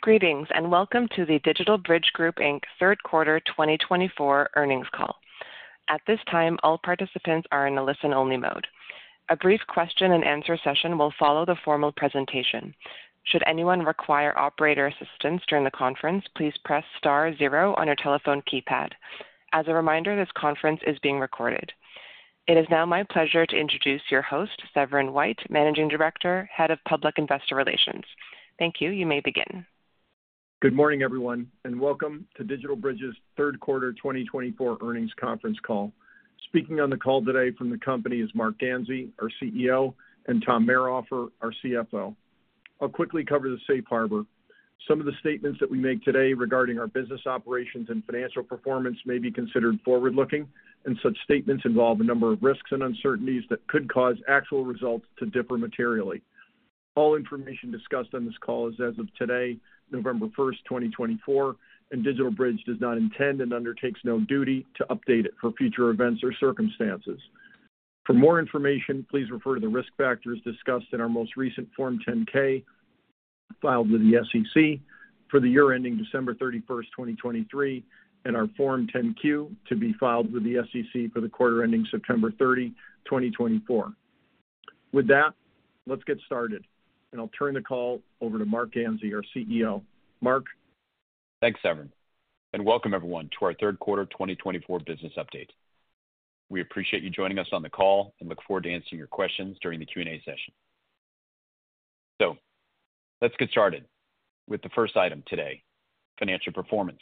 Greetings and welcome to the DigitalBridge Group Inc. Third Quarter 2024 Earnings Call. At this time, all participants are in a listen-only mode. A brief question-and-answer session will follow the formal presentation. Should anyone require operator assistance during the conference, please press star zero on your telephone keypad. As a reminder, this conference is being recorded. It is now my pleasure to introduce your host, Severin White, Managing Director, Head of Public Investor Relations. Thank you. You may begin. Good morning, everyone, and welcome to DigitalBridge's Third Quarter 2024 Earnings Conference Call. Speaking on the call today from the company is Marc Ganzi, our CEO, and Tom Mayrhofer, our CFO. I'll quickly cover the safe harbor. Some of the statements that we make today regarding our business operations and financial performance may be considered forward-looking, and such statements involve a number of risks and uncertainties that could cause actual results to differ materially. All information discussed on this call is as of today, November 1st, 2024, and DigitalBridge does not intend and undertakes no duty to update it for future events or circumstances. For more information, please refer to the risk factors discussed in our most recent Form 10-K filed with the SEC for the year ending December 31st, 2023, and our Form 10-Q to be filed with the SEC for the quarter ending September 30, 2024. With that, let's get started, and I'll turn the call over to Marc Ganzi, our CEO. Marc. Thanks, Severin, and welcome, everyone, to our Third Quarter 2024 business update. We appreciate you joining us on the call and look forward to answering your questions during the Q&A session. So let's get started with the first item today, financial performance.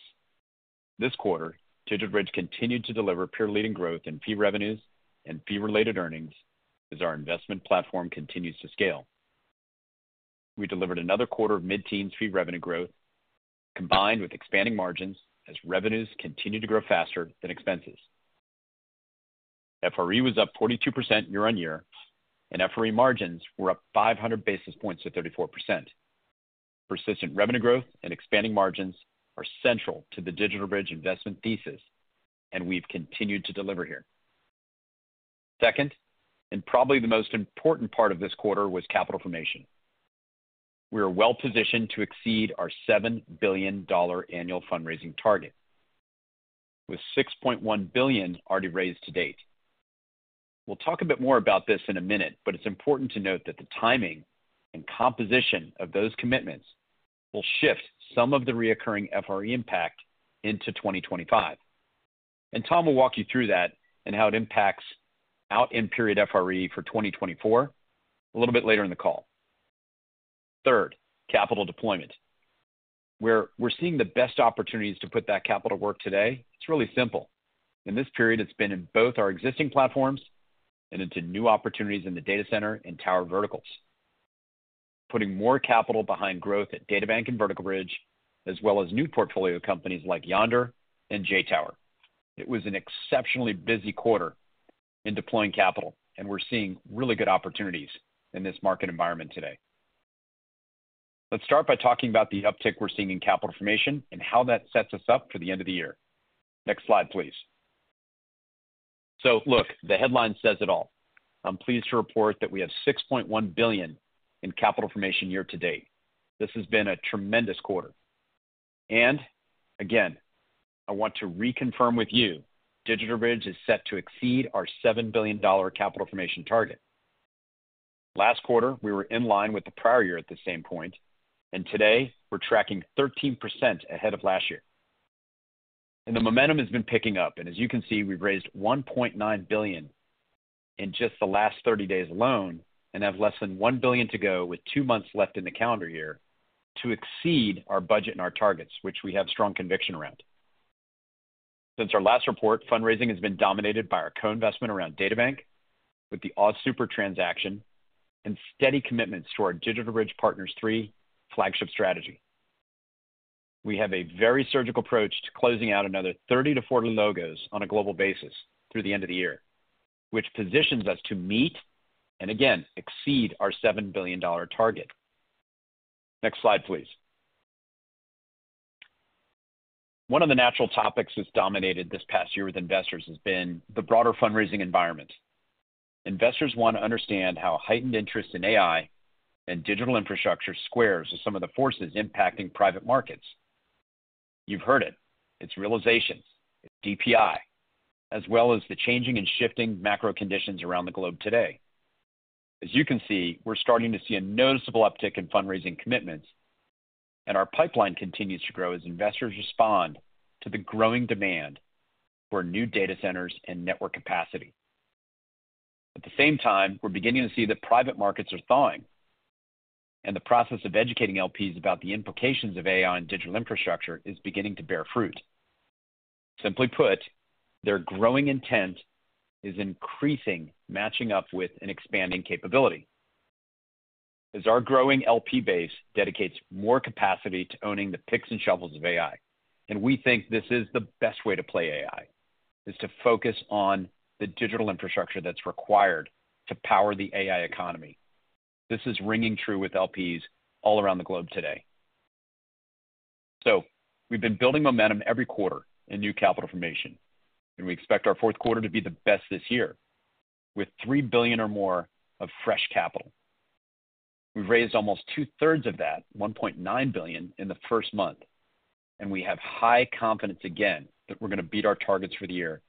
This quarter, DigitalBridge continued to deliver peer-leading growth in fee revenues and fee-related earnings as our investment platform continues to scale. We delivered another quarter of mid-teens fee revenue growth combined with expanding margins as revenues continued to grow faster than expenses. FRE was up 42% year-on-year, and FRE margins were up 500 basis points to 34%. Persistent revenue growth and expanding margins are central to the DigitalBridge investment thesis, and we've continued to deliver here. Second, and probably the most important part of this quarter was capital formation. We are well-positioned to exceed our $7 billion annual fundraising target, with $6.1 billion already raised to date. We'll talk a bit more about this in a minute, but it's important to note that the timing and composition of those commitments will shift some of the recurring FRE impact into 2025. And Tom will walk you through that and how it impacts year-end period FRE for 2024 a little bit later in the call. Third, capital deployment. Where we're seeing the best opportunities to put that capital to work today, it's really simple. In this period, it's been in both our existing platforms and into new opportunities in the data center and tower verticals, putting more capital behind growth at DataBank and Vertical Bridge, as well as new portfolio companies like Yondr and JTOWER. It was an exceptionally busy quarter in deploying capital, and we're seeing really good opportunities in this market environment today. Let's start by talking about the uptick we're seeing in capital formation and how that sets us up for the end of the year. Next slide, please. So look, the headline says it all. I'm pleased to report that we have $6.1 billion in capital formation year to date. This has been a tremendous quarter, and again, I want to reconfirm with you, DigitalBridge is set to exceed our $7 billion capital formation target. Last quarter, we were in line with the prior year at the same point, and today we're tracking 13% ahead of last year, and the momentum has been picking up, and as you can see, we've raised $1.9 billion in just the last 30 days alone and have less than $1 billion to go with two months left in the calendar year to exceed our budget and our targets, which we have strong conviction around. Since our last report, fundraising has been dominated by our co-investment around DataBank with the AustralianSuper transaction and steady commitments to our DigitalBridge Partners III flagship strategy. We have a very surgical approach to closing out another 30 to 40 logos on a global basis through the end of the year, which positions us to meet and, again, exceed our $7 billion target. Next slide, please. One of the natural topics that's dominated this past year with investors has been the broader fundraising environment. Investors want to understand how heightened interest in AI and digital infrastructure squares with some of the forces impacting private markets. You've heard it. It's realizations, it's DPI, as well as the changing and shifting macro conditions around the globe today. As you can see, we're starting to see a noticeable uptick in fundraising commitments, and our pipeline continues to grow as investors respond to the growing demand for new data centers and network capacity. At the same time, we're beginning to see that private markets are thawing, and the process of educating LPs about the implications of AI and digital infrastructure is beginning to bear fruit. Simply put, their growing intent is increasing, matching up with an expanding capability. As our growing LP base dedicates more capacity to owning the picks and shovels of AI, and we think this is the best way to play AI, is to focus on the digital infrastructure that's required to power the AI economy. This is ringing true with LPs all around the globe today. So we've been building momentum every quarter in new capital formation, and we expect our fourth quarter to be the best this year with $3 billion or more of fresh capital. We've raised almost two-thirds of that, $1.9 billion, in the first month, and we have high confidence again that we're going to beat our targets for the year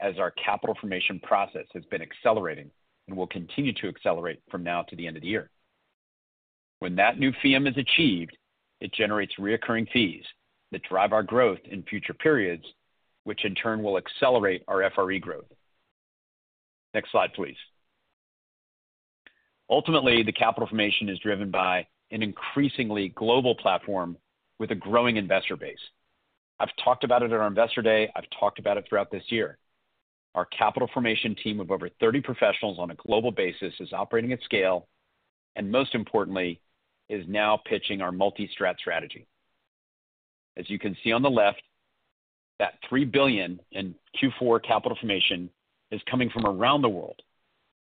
as our capital formation process has been accelerating and will continue to accelerate from now to the end of the year. When that new fee is achieved, it generates recurring fees that drive our growth in future periods, which in turn will accelerate our FRE growth. Next slide, please. Ultimately, the capital formation is driven by an increasingly global platform with a growing investor base. I've talked about it at our investor day. I've talked about it throughout this year. Our capital formation team of over 30 professionals on a global basis is operating at scale, and most importantly, is now pitching our multi-strand strategy. As you can see on the left, that $3 billion in Q4 capital formation is coming from around the world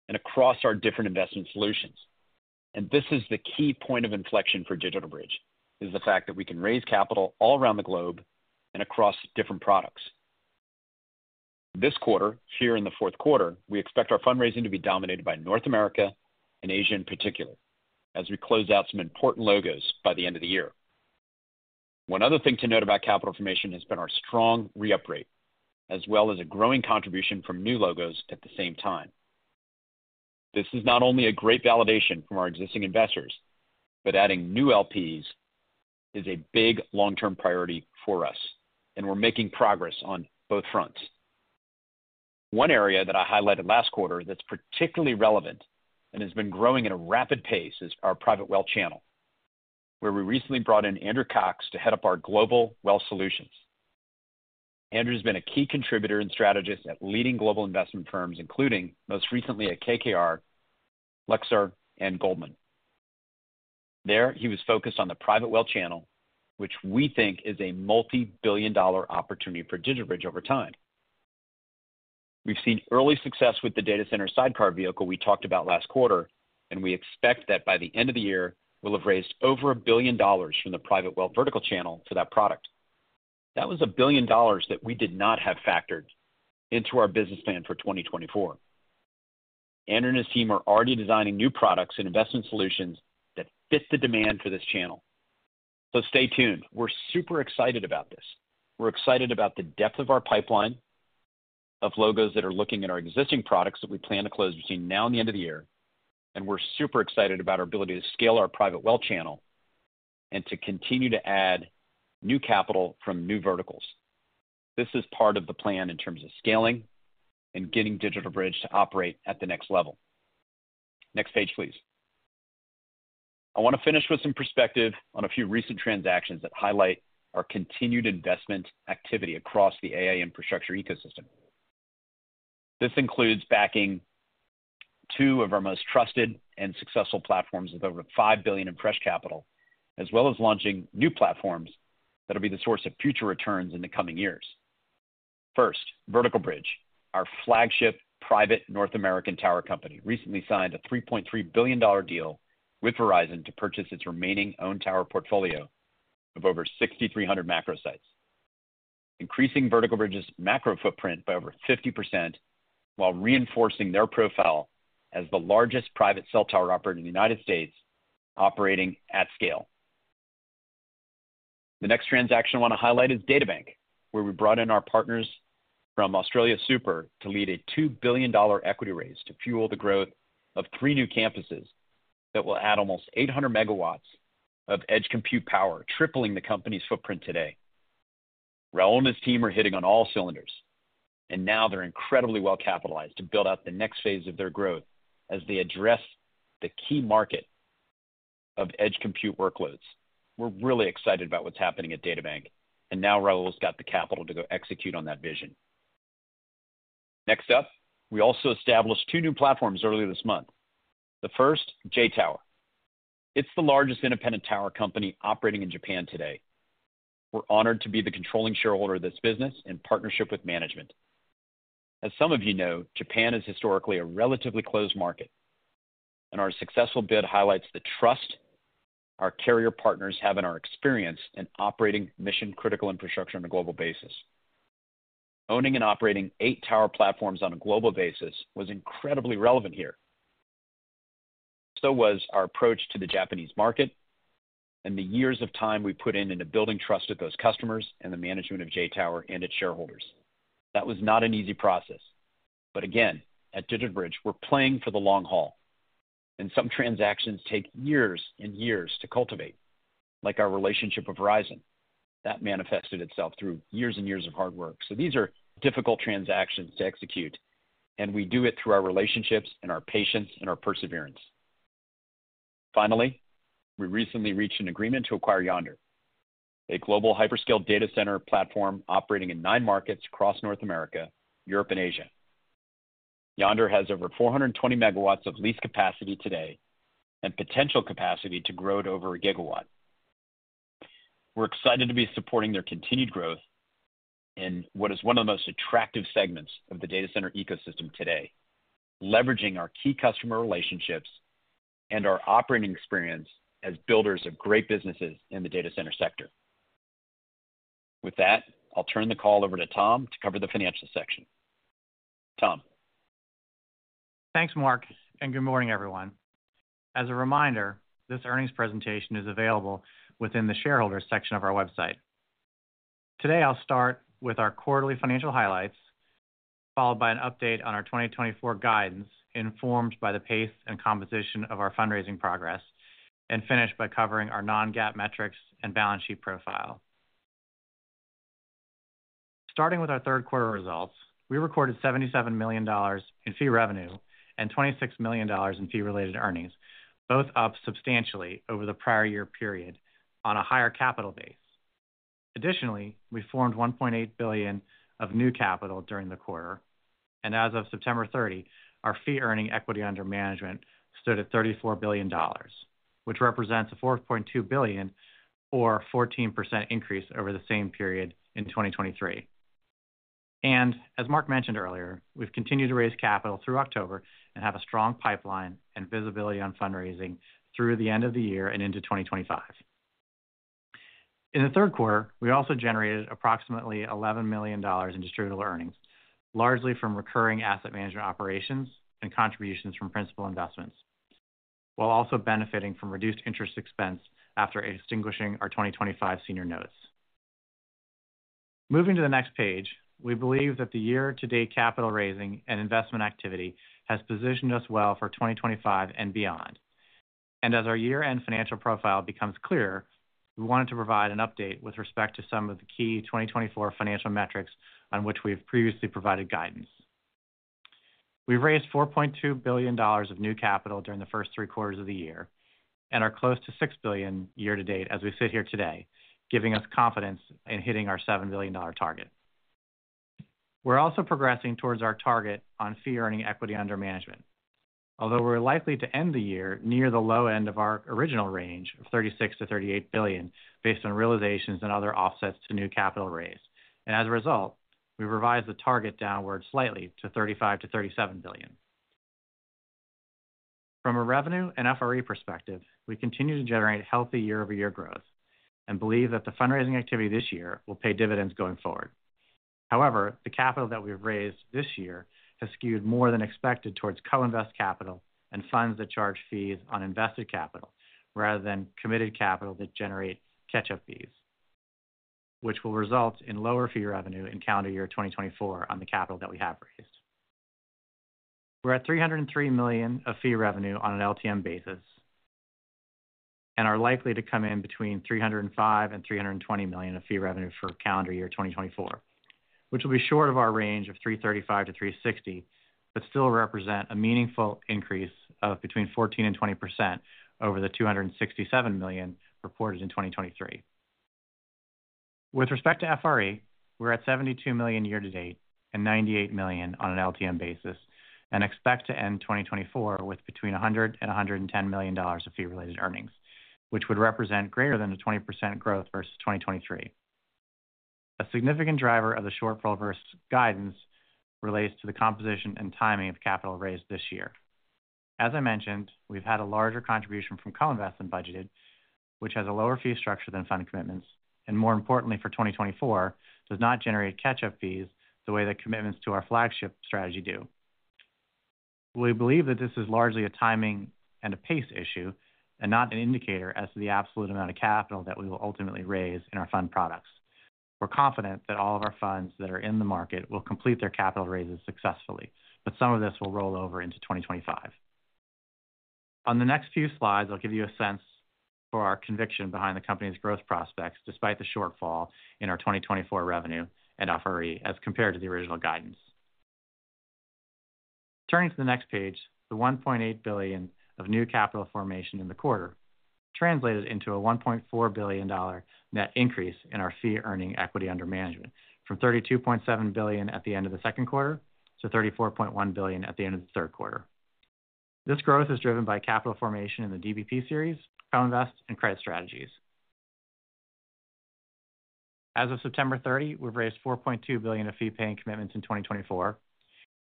and across our different investment solutions. This is the key point of inflection for DigitalBridge. It is the fact that we can raise capital all around the globe and across different products. This quarter, here in the fourth quarter, we expect our fundraising to be dominated by North America and Asia in particular as we close out some important logos by the end of the year. One other thing to note about capital formation has been our strong re-up rate, as well as a growing contribution from new logos at the same time. This is not only a great validation from our existing investors, but adding new LPs is a big long-term priority for us, and we're making progress on both fronts. One area that I highlighted last quarter that's particularly relevant and has been growing at a rapid pace is our private wealth channel, where we recently brought in Andrew Cox to head up our global wealth solutions. Andrew has been a key contributor and strategist at leading global investment firms, including most recently at KKR, Lazard, and Goldman. There, he was focused on the private wealth channel, which we think is a multi-billion-dollar opportunity for DigitalBridge over time. We've seen early success with the data center sidecar vehicle we talked about last quarter, and we expect that by the end of the year, we'll have raised over $1 billion from the private wealth vertical channel to that product. That was $1 billion that we did not have factored into our business plan for 2024. Andrew and his team are already designing new products and investment solutions that fit the demand for this channel. So stay tuned. We're super excited about this. We're excited about the depth of our pipeline of logos that are looking at our existing products that we plan to close between now and the end of the year, and we're super excited about our ability to scale our private wealth channel and to continue to add new capital from new verticals. This is part of the plan in terms of scaling and getting DigitalBridge to operate at the next level. Next page, please. I want to finish with some perspective on a few recent transactions that highlight our continued investment activity across the AI infrastructure ecosystem. This includes backing two of our most trusted and successful platforms with over $5 billion in fresh capital, as well as launching new platforms that will be the source of future returns in the coming years. First, Vertical Bridge, our flagship private North American tower company, recently signed a $3.3 billion deal with Verizon to purchase its remaining owned tower portfolio of over 6,300 macro sites, increasing Vertical Bridge's macro footprint by over 50% while reinforcing their profile as the largest private cell tower operator in the United States operating at scale. The next transaction I want to highlight is DataBank, where we brought in our partners from AustralianSuper to lead a $2 billion equity raise to fuel the growth of three new campuses that will add almost 800 MW of edge compute power, tripling the company's footprint today. Raul and his team are hitting on all cylinders, and now they're incredibly well capitalized to build out the next phase of their growth as they address the key market of edge compute workloads. We're really excited about what's happening at DataBank, and now Raul's got the capital to go execute on that vision. Next up, we also established two new platforms earlier this month. The first, JTOWER. It's the largest independent tower company operating in Japan today. We're honored to be the controlling shareholder of this business in partnership with management. As some of you know, Japan is historically a relatively closed market, and our successful bid highlights the trust our carrier partners have in our experience in operating mission-critical infrastructure on a global basis. Owning and operating eight tower platforms on a global basis was incredibly relevant here. So was our approach to the Japanese market and the years of time we put in building trust with those customers and the management of JTOWER and its shareholders. That was not an easy process. But again, at DigitalBridge, we're playing for the long haul, and some transactions take years and years to cultivate, like our relationship with Verizon. That manifested itself through years and years of hard work. So these are difficult transactions to execute, and we do it through our relationships and our patience and our perseverance. Finally, we recently reached an agreement to acquire Yondr, a global hyperscale data center platform operating in nine markets across North America, Europe, and Asia. Yondr has over 420 MW of lease capacity today and potential capacity to grow to over a gigawatt. We're excited to be supporting their continued growth in what is one of the most attractive segments of the data center ecosystem today, leveraging our key customer relationships and our operating experience as builders of great businesses in the data center sector. With that, I'll turn the call over to Tom to cover the financial section. Tom. Thanks, Marc, and good morning, everyone. As a reminder, this earnings presentation is available within the shareholder section of our website. Today, I'll start with our quarterly financial highlights, followed by an update on our 2024 guidance informed by the pace and composition of our fundraising progress, and finish by covering our non-GAAP metrics and balance sheet profile. Starting with our third quarter results, we recorded $77 million in fee revenue and $26 million in fee-related earnings, both up substantially over the prior year period on a higher capital base. Additionally, we formed $1.8 billion of new capital during the quarter, and as of September 30, our fee-earning equity under management stood at $34 billion, which represents a $4.2 billion or 14% increase over the same period in 2023. As Marc mentioned earlier, we have continued to raise capital through October and have a strong pipeline and visibility on fundraising through the end of the year and into 2025. In the third quarter, we also generated approximately $11 million in Distributable Earnings, largely from recurring asset management operations and contributions from principal investments, while also benefiting from reduced interest expense after extinguishing our 2025 senior notes. Moving to the next page, we believe that the year-to-date capital raising and investment activity has positioned us well for 2025 and beyond. And as our year-end financial profile becomes clearer, we wanted to provide an update with respect to some of the key 2024 financial metrics on which we've previously provided guidance. We've raised $4.2 billion of new capital during the first three quarters of the year and are close to $6 billion year-to-date as we sit here today, giving us confidence in hitting our $7 billion target. We're also progressing towards our target on fee-earning equity under management, although we're likely to end the year near the low end of our original range of $36-$38 billion based on realizations and other offsets to new capital raise. And as a result, we've revised the target downward slightly to $35-$37 billion. From a revenue and FRE perspective, we continue to generate healthy year-over-year growth and believe that the fundraising activity this year will pay dividends going forward. However, the capital that we've raised this year has skewed more than expected towards co-invest capital and funds that charge fees on invested capital rather than committed capital that generates catch-up fees, which will result in lower fee revenue in calendar year 2024 on the capital that we have raised. We're at $303 million of fee revenue on an LTM basis and are likely to come in between $305-$320 million of fee revenue for calendar year 2024, which will be short of our range of $335-$360, but still represent a meaningful increase of between 14%-20% over the $267 million reported in 2023. With respect to FRE, we're at $72 million year-to-date and $98 million on an LTM basis and expect to end 2024 with between $100-$110 million of fee-related earnings, which would represent greater than 20% growth versus 2023. A significant driver of the shortfall versus guidance relates to the composition and timing of capital raised this year. As I mentioned, we've had a larger contribution from co-invest than budgeted, which has a lower fee structure than fund commitments, and more importantly for 2024, does not generate catch-up fees the way that commitments to our flagship strategy do. We believe that this is largely a timing and a pace issue and not an indicator as to the absolute amount of capital that we will ultimately raise in our fund products. We're confident that all of our funds that are in the market will complete their capital raises successfully, but some of this will roll over into 2025. On the next few slides, I'll give you a sense for our conviction behind the company's growth prospects, despite the shortfall in our 2024 revenue and FRE, as compared to the original guidance. Turning to the next page, the $1.8 billion of new capital formation in the quarter translated into a $1.4 billion net increase in our fee-earning equity under management from $32.7 billion at the end of the second quarter to $34.1 billion at the end of the third quarter. This growth is driven by capital formation in the DBP series, co-invest, and credit strategies. As of September 30, we've raised $4.2 billion of fee-paying commitments in 2024,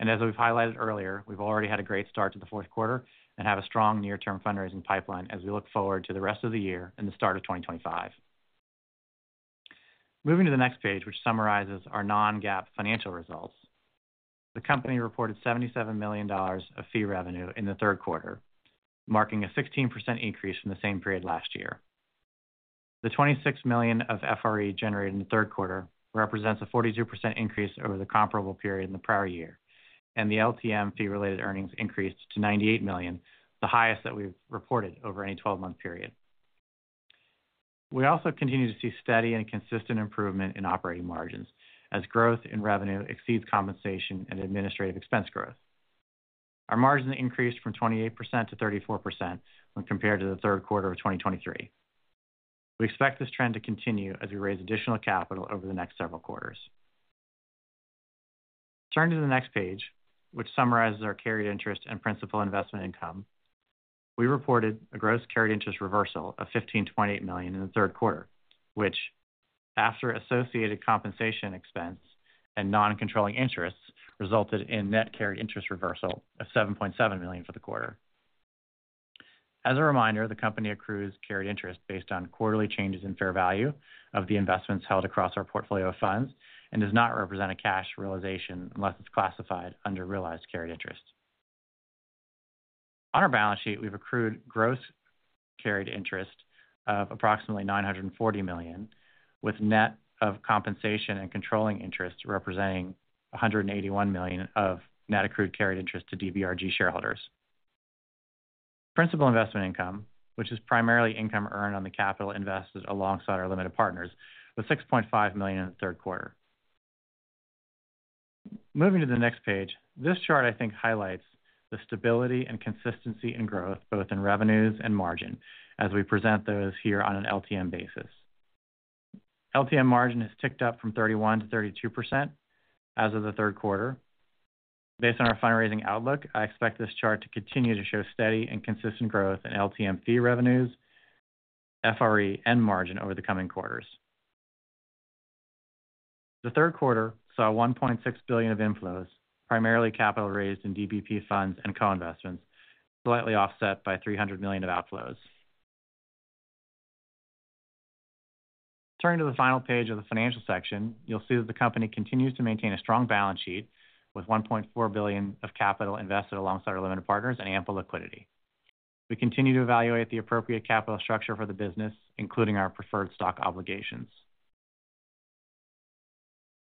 and as we've highlighted earlier, we've already had a great start to the fourth quarter and have a strong near-term fundraising pipeline as we look forward to the rest of the year and the start of 2025. Moving to the next page, which summarizes our non-GAAP financial results, the company reported $77 million of fee revenue in the third quarter, marking a 16% increase from the same period last year. The $26 million of FRE generated in the third quarter represents a 42% increase over the comparable period in the prior year, and the LTM fee-related earnings increased to $98 million, the highest that we've reported over any 12-month period. We also continue to see steady and consistent improvement in operating margins as growth in revenue exceeds compensation and administrative expense growth. Our margins increased from 28% - 34% when compared to the third quarter of 2023. We expect this trend to continue as we raise additional capital over the next several quarters. Turning to the next page, which summarizes our carried interest and principal investment income, we reported a gross carried interest reversal of $1,528 million in the third quarter, which, after associated compensation expense and non-controlling interests, resulted in net carried interest reversal of $7.7 million for the quarter. As a reminder, the company accrues carried interest based on quarterly changes in fair value of the investments held across our portfolio of funds and does not represent a cash realization unless it's classified under realized carried interest. On our balance sheet, we've accrued gross carried interest of approximately $940 million, with net of compensation and non-controlling interest representing $181 million of net accrued carried interest to DBRG shareholders. Principal investment income, which is primarily income earned on the capital invested alongside our limited partners, was $6.5 million in the third quarter. Moving to the next page, this chart, I think, highlights the stability and consistency in growth, both in revenues and margin, as we present those here on an LTM basis. LTM margin has ticked up from 31%-32% as of the third quarter. Based on our fundraising outlook, I expect this chart to continue to show steady and consistent growth in LTM fee revenues, FRE, and margin over the coming quarters. The third quarter saw $1.6 billion of inflows, primarily capital raised in DBP funds and co-investments, slightly offset by $300 million of outflows. Turning to the final page of the financial section, you'll see that the company continues to maintain a strong balance sheet with $1.4 billion of capital invested alongside our limited partners and ample liquidity. We continue to evaluate the appropriate capital structure for the business, including our preferred stock obligations.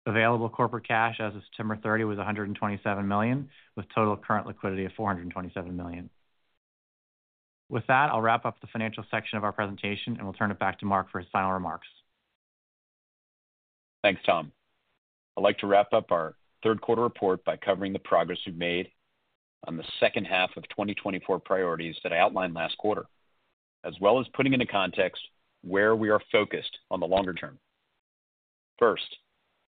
Available corporate cash as of September 30 was $127 million, with total current liquidity of $427 million. With that, I'll wrap up the financial section of our presentation, and we'll turn it back to Marc for his final remarks. Thanks, Tom. I'd like to wrap up our third quarter report by covering the progress we've made on the second half of 2024 priorities that I outlined last quarter, as well as putting into context where we are focused on the longer term. First,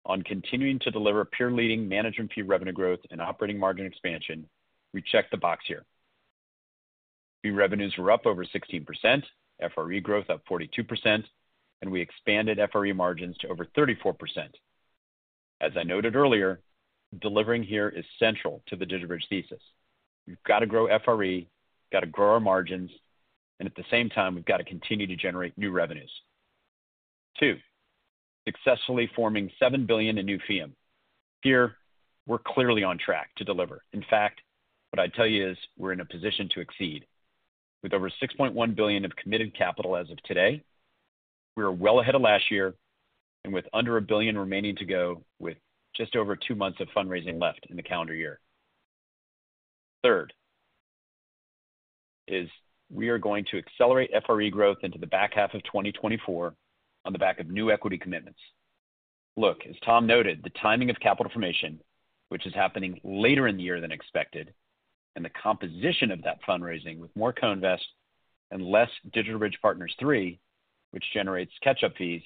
on continuing to deliver peer-leading management fee revenue growth and operating margin expansion, we check the box here. Fee revenues were up over 16%, FRE growth up 42%, and we expanded FRE margins to over 34%. As I noted earlier, delivering here is central to the DigitalBridge thesis. We've got to grow FRE, got to grow our margins, and at the same time, we've got to continue to generate new revenues. Two, successfully forming $7 billion in new FEEUM. Here, we're clearly on track to deliver. In fact, what I'd tell you is we're in a position to exceed. With over $6.1 billion of committed capital as of today, we are well ahead of last year, and with under a billion remaining to go with just over two months of fundraising left in the calendar year. Third is we are going to accelerate FRE growth into the back half of 2024 on the back of new equity commitments. Look, as Tom noted, the timing of capital formation, which is happening later in the year than expected, and the composition of that fundraising with more co-invest and less DigitalBridge Partners III, which generates catch-up fees,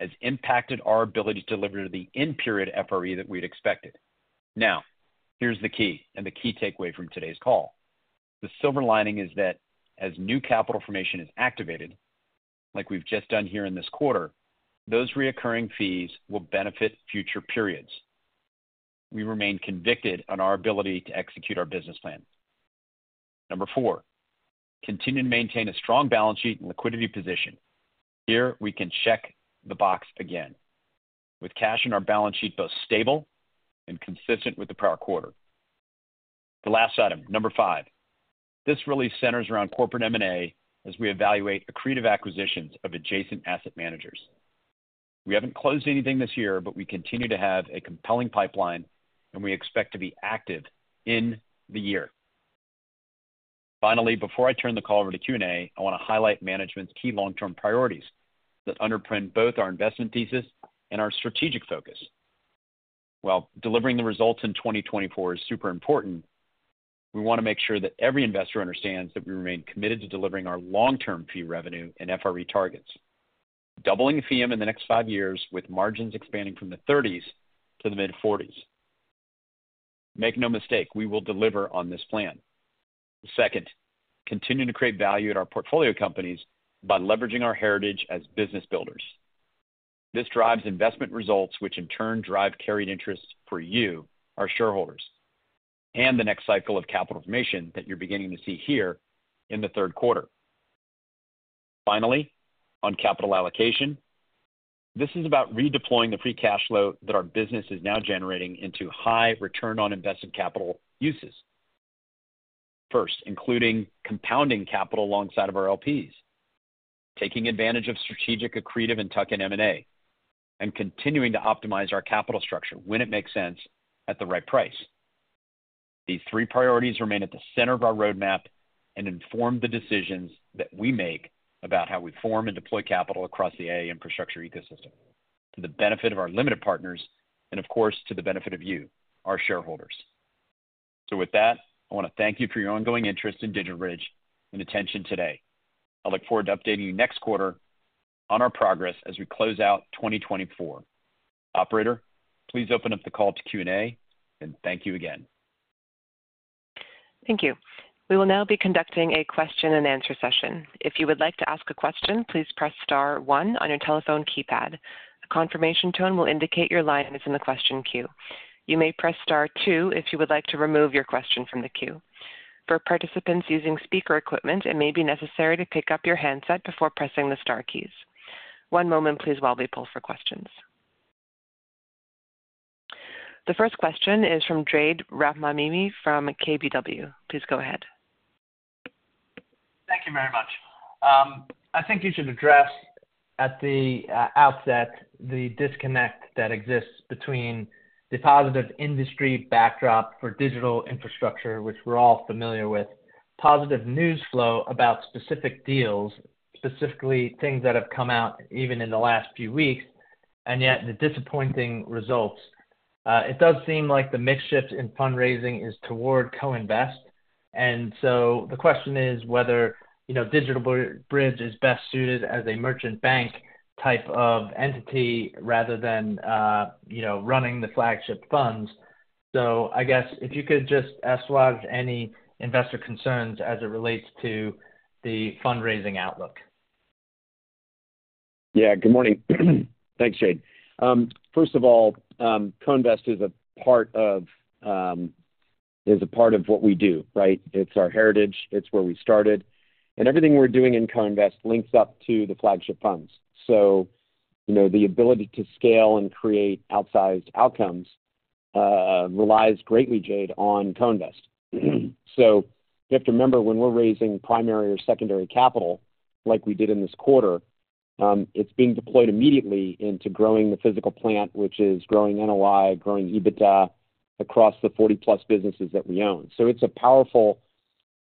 has impacted our ability to deliver the end-period FRE that we'd expected. Now, here's the key and the key takeaway from today's call. The silver lining is that as new capital formation is activated, like we've just done here in this quarter, those recurring fees will benefit future periods. We remain convicted on our ability to execute our business plan. Number four, continue to maintain a strong balance sheet and liquidity position. Here, we can check the box again, with cash in our balance sheet both stable and consistent with the prior quarter. The last item, number five, this really centers around corporate M&A as we evaluate accretive acquisitions of adjacent asset managers. We haven't closed anything this year, but we continue to have a compelling pipeline, and we expect to be active in the year. Finally, before I turn the call over to Q&A, I want to highlight management's key long-term priorities that underpin both our investment thesis and our strategic focus. While delivering the results in 2024 is super important, we want to make sure that every investor understands that we remain committed to delivering our long-term fee revenue and FRE targets, doubling the FEEUM in the next five years with margins expanding from the 30s to the mid-40s. Make no mistake, we will deliver on this plan. Second, continue to create value at our portfolio companies by leveraging our heritage as business builders. This drives investment results, which in turn drive carried interest for you, our shareholders, and the next cycle of capital formation that you're beginning to see here in the third quarter. Finally, on capital allocation, this is about redeploying the free cash flow that our business is now generating into high return on invested capital uses. First, including compounding capital alongside of our LPs, taking advantage of strategic accretive and tuck-in M&A, and continuing to optimize our capital structure when it makes sense at the right price. These three priorities remain at the center of our roadmap and inform the decisions that we make about how we form and deploy capital across the AI infrastructure ecosystem to the benefit of our limited partners and, of course, to the benefit of you, our shareholders. So with that, I want to thank you for your ongoing interest in DigitalBridge and attention today. I look forward to updating you next quarter on our progress as we close out 2024. Operator, please open up the call to Q&A, and thank you again. Thank you. We will now be conducting a question-and-answer session. If you would like to ask a question, please press star one on your telephone keypad. A confirmation tone will indicate your line is in the question queue. You may press star two if you would like to remove your question from the queue. For participants using speaker equipment, it may be necessary to pick up your handset before pressing the star keys. One moment, please, while we pull for questions. The first question is from Jade Rahmani from KBW. Please go ahead. Thank you very much. I think you should address at the outset the disconnect that exists between the positive industry backdrop for digital infrastructure, which we're all familiar with, positive news flow about specific deals, specifically things that have come out even in the last few weeks, and yet the disappointing results. It does seem like the mix shift in fundraising is toward co-invest. And so the question is whether DigitalBridge is best suited as a merchant bank type of entity rather than running the flagship funds. So I guess if you could just address a lot of any investor concerns as it relates to the fundraising outlook. Yeah. Good morning. Thanks, Jade. First of all, co-invest is a part of what we do, right? It's our heritage. It's where we started. And everything we're doing in co-invest links up to the flagship funds. The ability to scale and create outsized outcomes relies greatly, Jade, on co-invest. You have to remember when we're raising primary or secondary capital, like we did in this quarter, it's being deployed immediately into growing the physical plant, which is growing NOI, growing EBITDA across the 40-plus businesses that we own. It's a powerful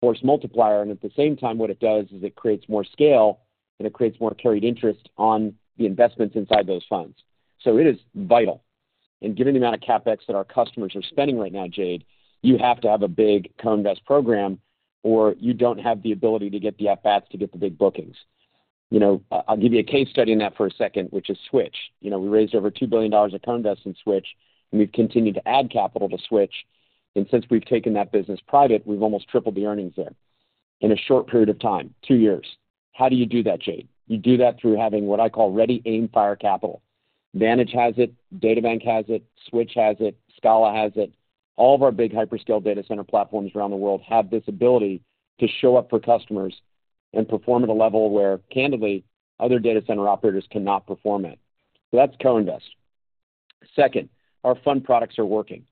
force multiplier. And at the same time, what it does is it creates more scale, and it creates more carried interest on the investments inside those funds. It is vital. And given the amount of CapEx that our customers are spending right now, Jade, you have to have a big co-invest program, or you don't have the ability to get the BTS to get the big bookings. I'll give you a case study in that for a second, which is Switch. We raised over $2 billion of co-invest in Switch, and we've continued to add capital to Switch, and since we've taken that business private, we've almost tripled the earnings there in a short period of time, two years. How do you do that, Jade? You do that through having what I call ready aim fire capital. Vantage has it, DataBank has it, Switch has it, Scala has it. All of our big hyperscale data center platforms around the world have this ability to show up for customers and perform at a level where, candidly, other data center operators cannot perform at. So that's co-invest. Second, our fund products are working,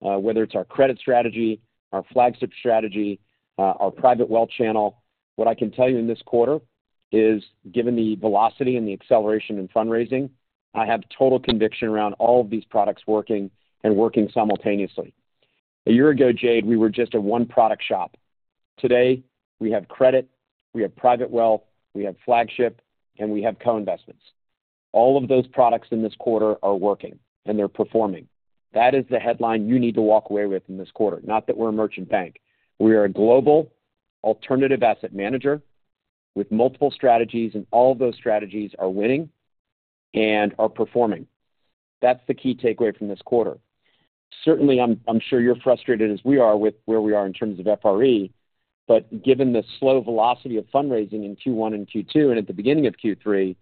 whether it's our credit strategy, our flagship strategy, our private wealth channel. What I can tell you in this quarter is, given the velocity and the acceleration in fundraising, I have total conviction around all of these products working and working simultaneously. A year ago, Jade, we were just a one-product shop. Today, we have credit, we have private wealth, we have flagship, and we have co-investments. All of those products in this quarter are working, and they're performing. That is the headline you need to walk away with in this quarter. Not that we're a merchant bank. We are a global alternative asset manager with multiple strategies, and all of those strategies are winning and are performing. That's the key takeaway from this quarter. Certainly, I'm sure you're frustrated as we are with where we are in terms of FRE, but given the slow velocity of fundraising in Q1 and Q2 and at the beginning of Q3,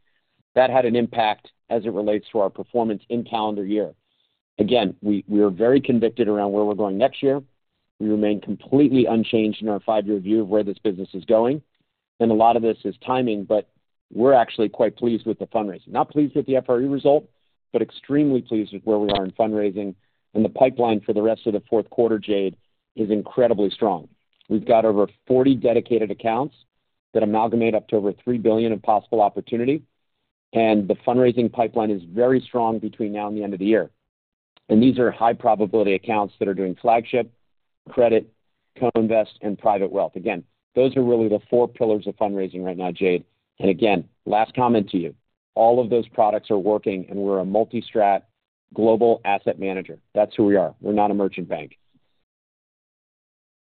that had an impact as it relates to our performance in calendar year. Again, we are very convicted around where we're going next year. We remain completely unchanged in our five-year view of where this business is going, and a lot of this is timing, but we're actually quite pleased with the fundraising, not pleased with the FRE result, but extremely pleased with where we are in fundraising, and the pipeline for the rest of the fourth quarter, Jade, is incredibly strong. We've got over 40 dedicated accounts that amalgamate up to over $3 billion in possible opportunity, and the fundraising pipeline is very strong between now and the end of the year. And these are high-probability accounts that are doing flagship, credit, co-invest, and private wealth. Again, those are really the four pillars of fundraising right now, Jade. And again, last comment to you. All of those products are working, and we're a multi-strategy global asset manager. That's who we are. We're not a merchant bank.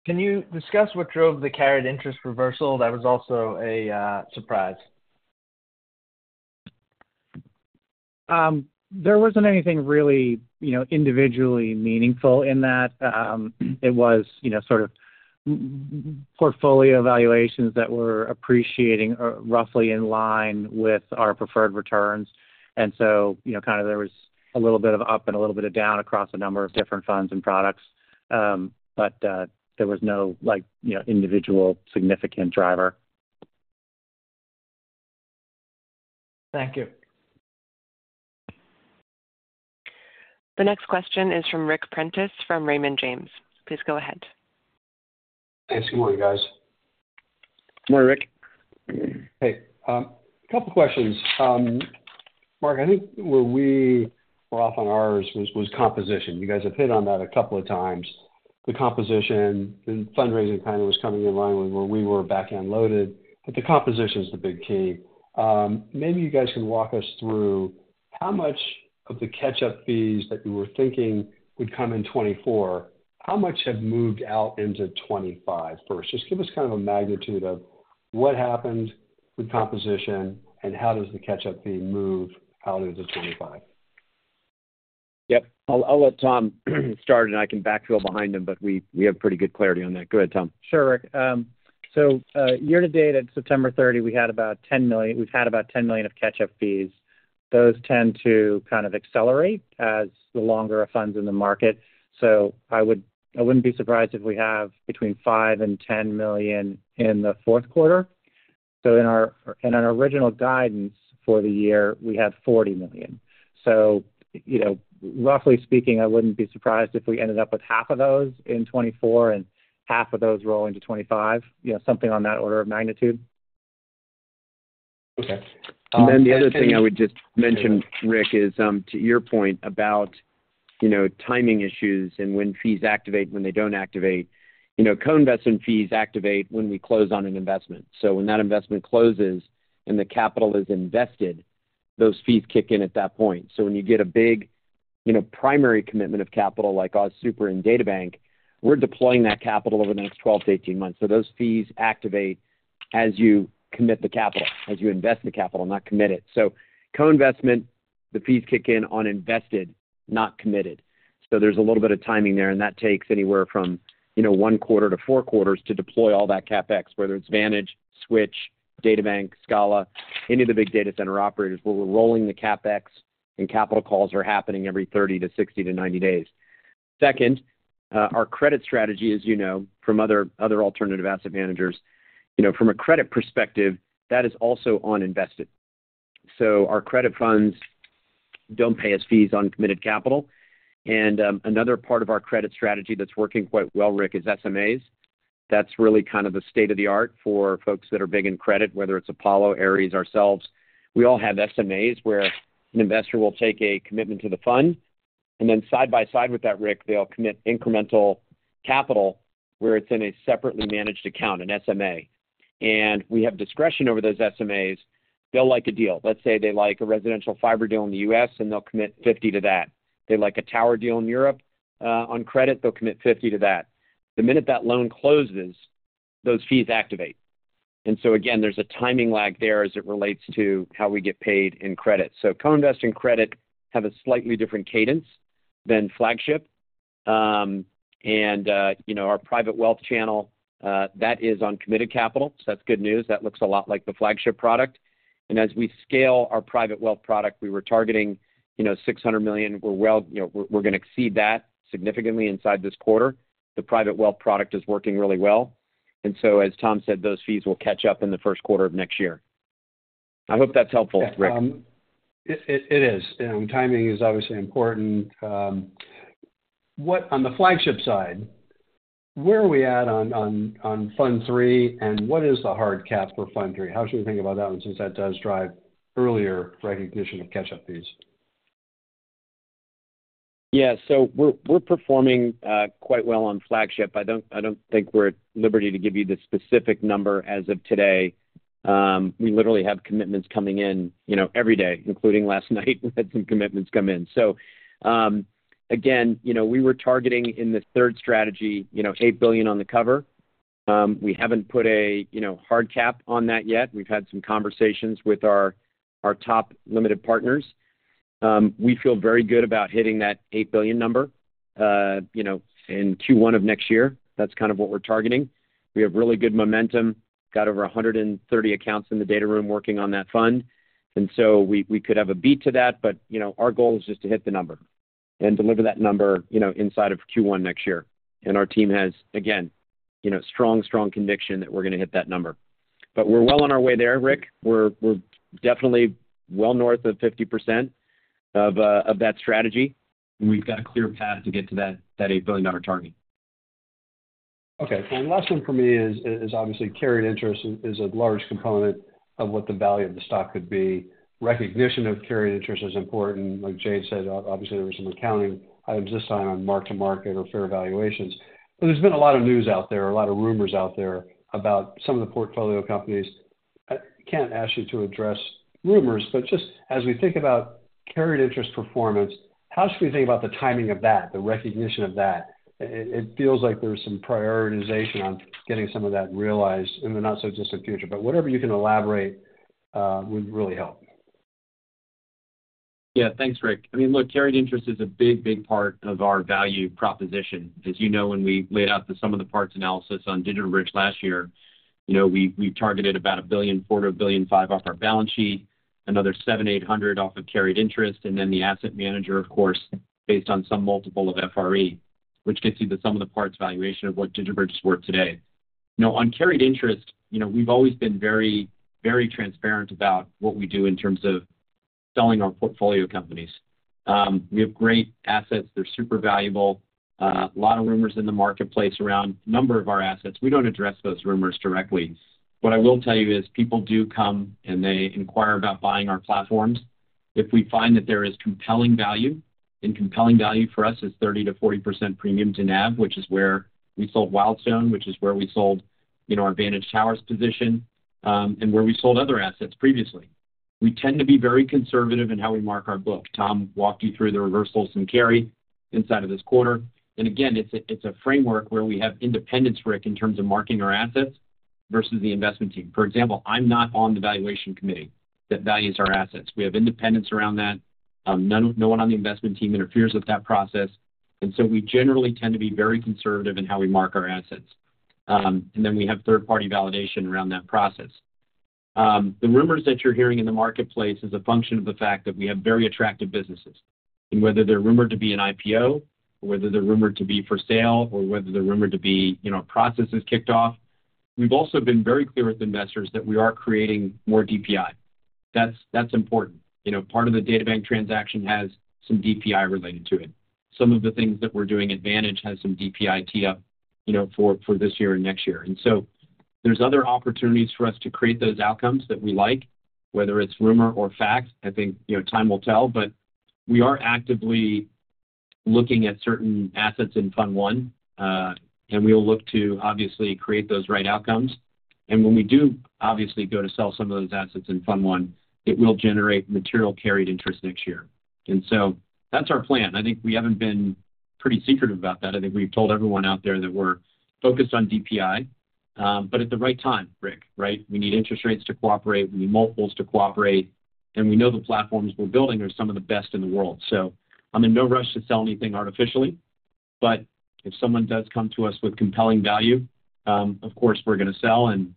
Can you discuss what drove the carried interest reversal? That was also a surprise. There wasn't anything really individually meaningful in that. It was sort of portfolio evaluations that were appreciating roughly in line with our preferred returns. And so kind of there was a little bit of up and a little bit of down across a number of different funds and products, but there was no individual significant driver. Thank you. The next question is from Ric Prentiss from Raymond James. Please go ahead. Thanks. Good morning, guys. Good morning, Ric. Hey. A couple of questions. Marc, I think where we were off on ours was composition. You guys have hit on that a couple of times. The composition, the fundraising kind of was coming in line with where we were back-end loaded, but the composition is the big key. Maybe you guys can walk us through how much of the catch-up fees that you were thinking would come in 2024, how much have moved out into 2025 first? Just give us kind of a magnitude of what happened with composition, and how does the catch-up fee move out into 2025? Yep. I'll let Tom start, and I can backfill behind him, but we have pretty good clarity on that. Go ahead, Tom. Sure, Ric. So year to date, at September 30, we had about $10 million of catch-up fees. Those tend to kind of accelerate as the longer funds in the market. So I wouldn't be surprised if we have between $5 million and $10 million in the fourth quarter. So in our original guidance for the year, we had $40 million. So roughly speaking, I wouldn't be surprised if we ended up with half of those in 2024 and half of those rolling to 2025, something on that order of magnitude. Okay. And then the other thing I would just mention, Ric, is to your point about timing issues and when fees activate, when they don't activate. Co-investment fees activate when we close on an investment. So when that investment closes and the capital is invested, those fees kick in at that point. So when you get a big primary commitment of capital like AustralianSuper and DataBank, we're deploying that capital over the next 12-18 months. Those fees activate as you commit the capital, as you invest the capital, not commit it. Co-investment, the fees kick in on invested, not committed. There's a little bit of timing there, and that takes anywhere from one quarter to four quarters to deploy all that CapEx, whether it's Vantage, Switch, DataBank, Scala, any of the big data center operators where we're rolling the CapEx and capital calls are happening every 30 to 60 to 90 days. Second, our credit strategy, as you know from other alternative asset managers, from a credit perspective, that is also on invested. Our credit funds don't pay us fees on committed capital. Another part of our credit strategy that's working quite well, Ric, is SMAs. That's really kind of the state of the art for folks that are big in credit, whether it's Apollo, Ares, ourselves. We all have SMAs where an investor will take a commitment to the fund, and then side by side with that, Ric, they'll commit incremental capital where it's in a separately managed account, an SMA. And we have discretion over those SMAs. They'll like a deal. Let's say they like a residential fiber deal in the U.S., and they'll commit $50 million to that. They like a tower deal in Europe on credit, they'll commit $50 million to that. The minute that loan closes, those fees activate. And so again, there's a timing lag there as it relates to how we get paid in credit. So co-invest and credit have a slightly different cadence than flagship. And our private wealth channel, that is on committed capital. So that's good news. That looks a lot like the flagship product. And as we scale our private wealth product, we were targeting $600 million. We're going to exceed that significantly inside this quarter. The private wealth product is working really well, and so as Tom said, those fees will catch up in the first quarter of next year. I hope that's helpful, Ric. It is. Timing is obviously important. On the flagship side, where are we at on fund three and what is the hard cap for fund three? How should we think about that one since that does drive earlier recognition of catch-up fees? Yeah, so we're performing quite well on flagship. I don't think we're at liberty to give you the specific number as of today. We literally have commitments coming in every day, including last night, we had some commitments come in, so again, we were targeting in the third strategy, $8 billion on the cover. We haven't put a hard cap on that yet. We've had some conversations with our top limited partners. We feel very good about hitting that $8 billion number in Q1 of next year. That's kind of what we're targeting. We have really good momentum. Got over 130 accounts in the data room working on that fund. And so we could have a beat to that, but our goal is just to hit the number and deliver that number inside of Q1 next year. And our team has, again, strong, strong conviction that we're going to hit that number. But we're well on our way there, Ric. We're definitely well north of 50% of that strategy. And we've got a clear path to get to that $8 billion target. Okay. And the last one for me is obviously carried interest is a large component of what the value of the stock could be. Recognition of carried interest is important. Like Jade said, obviously there were some accounting items this time on mark-to-market or fair valuations. But there's been a lot of news out there, a lot of rumors out there about some of the portfolio companies. I can't ask you to address rumors, but just as we think about carried interest performance, how should we think about the timing of that, the recognition of that? It feels like there's some prioritization on getting some of that realized in the not-so-distant future. But whatever you can elaborate would really help. Yeah. Thanks, Ric. I mean, look, carried interest is a big, big part of our value proposition. As you know, when we laid out the sum of the parts analysis on DigitalBridge last year, we targeted about $1 billion, $250 million, $500 million off our balance sheet, another $780 million off of carried interest, and then the asset manager, of course, based on some multiple of FRE, which gets you the sum of the parts valuation of what DigitalBridge is worth today. On carried interest, we've always been very, very transparent about what we do in terms of selling our portfolio companies. We have great assets. They're super valuable. A lot of rumors in the marketplace around a number of our assets. We don't address those rumors directly. What I will tell you is people do come and they inquire about buying our platforms. If we find that there is compelling value, and compelling value for us is 30%-40% premium to NAV, which is where we sold Wildstone, which is where we sold our Vantage Towers position, and where we sold other assets previously. We tend to be very conservative in how we mark our book. Tom walked you through the reversals and carry inside of this quarter, and again, it's a framework where we have independence, Ric, in terms of marking our assets versus the investment team. For example, I'm not on the valuation committee that values our assets. We have independence around that. No one on the investment team interferes with that process, and so we generally tend to be very conservative in how we mark our assets, and then we have third-party validation around that process. The rumors that you're hearing in the marketplace are a function of the fact that we have very attractive businesses, and whether they're rumored to be an IPO, whether they're rumored to be for sale, or whether they're rumored to be a process is kicked off, we've also been very clear with investors that we are creating more DPI. That's important. Part of the DataBank transaction has some DPI related to it. Some of the things that we're doing at Vantage have some DPI tee-up for this year and next year, and so there's other opportunities for us to create those outcomes that we like, whether it's rumor or fact. I think time will tell, but we are actively looking at certain assets in fund one, and we'll look to obviously create those right outcomes. And when we do obviously go to sell some of those assets in fund one, it will generate material carried interest next year. And so that's our plan. I think we haven't been pretty secretive about that. I think we've told everyone out there that we're focused on DPI, but at the right time, Ric, right? We need interest rates to cooperate. We need multiples to cooperate. And we know the platforms we're building are some of the best in the world. So I'm in no rush to sell anything artificially, but if someone does come to us with compelling value, of course, we're going to sell. And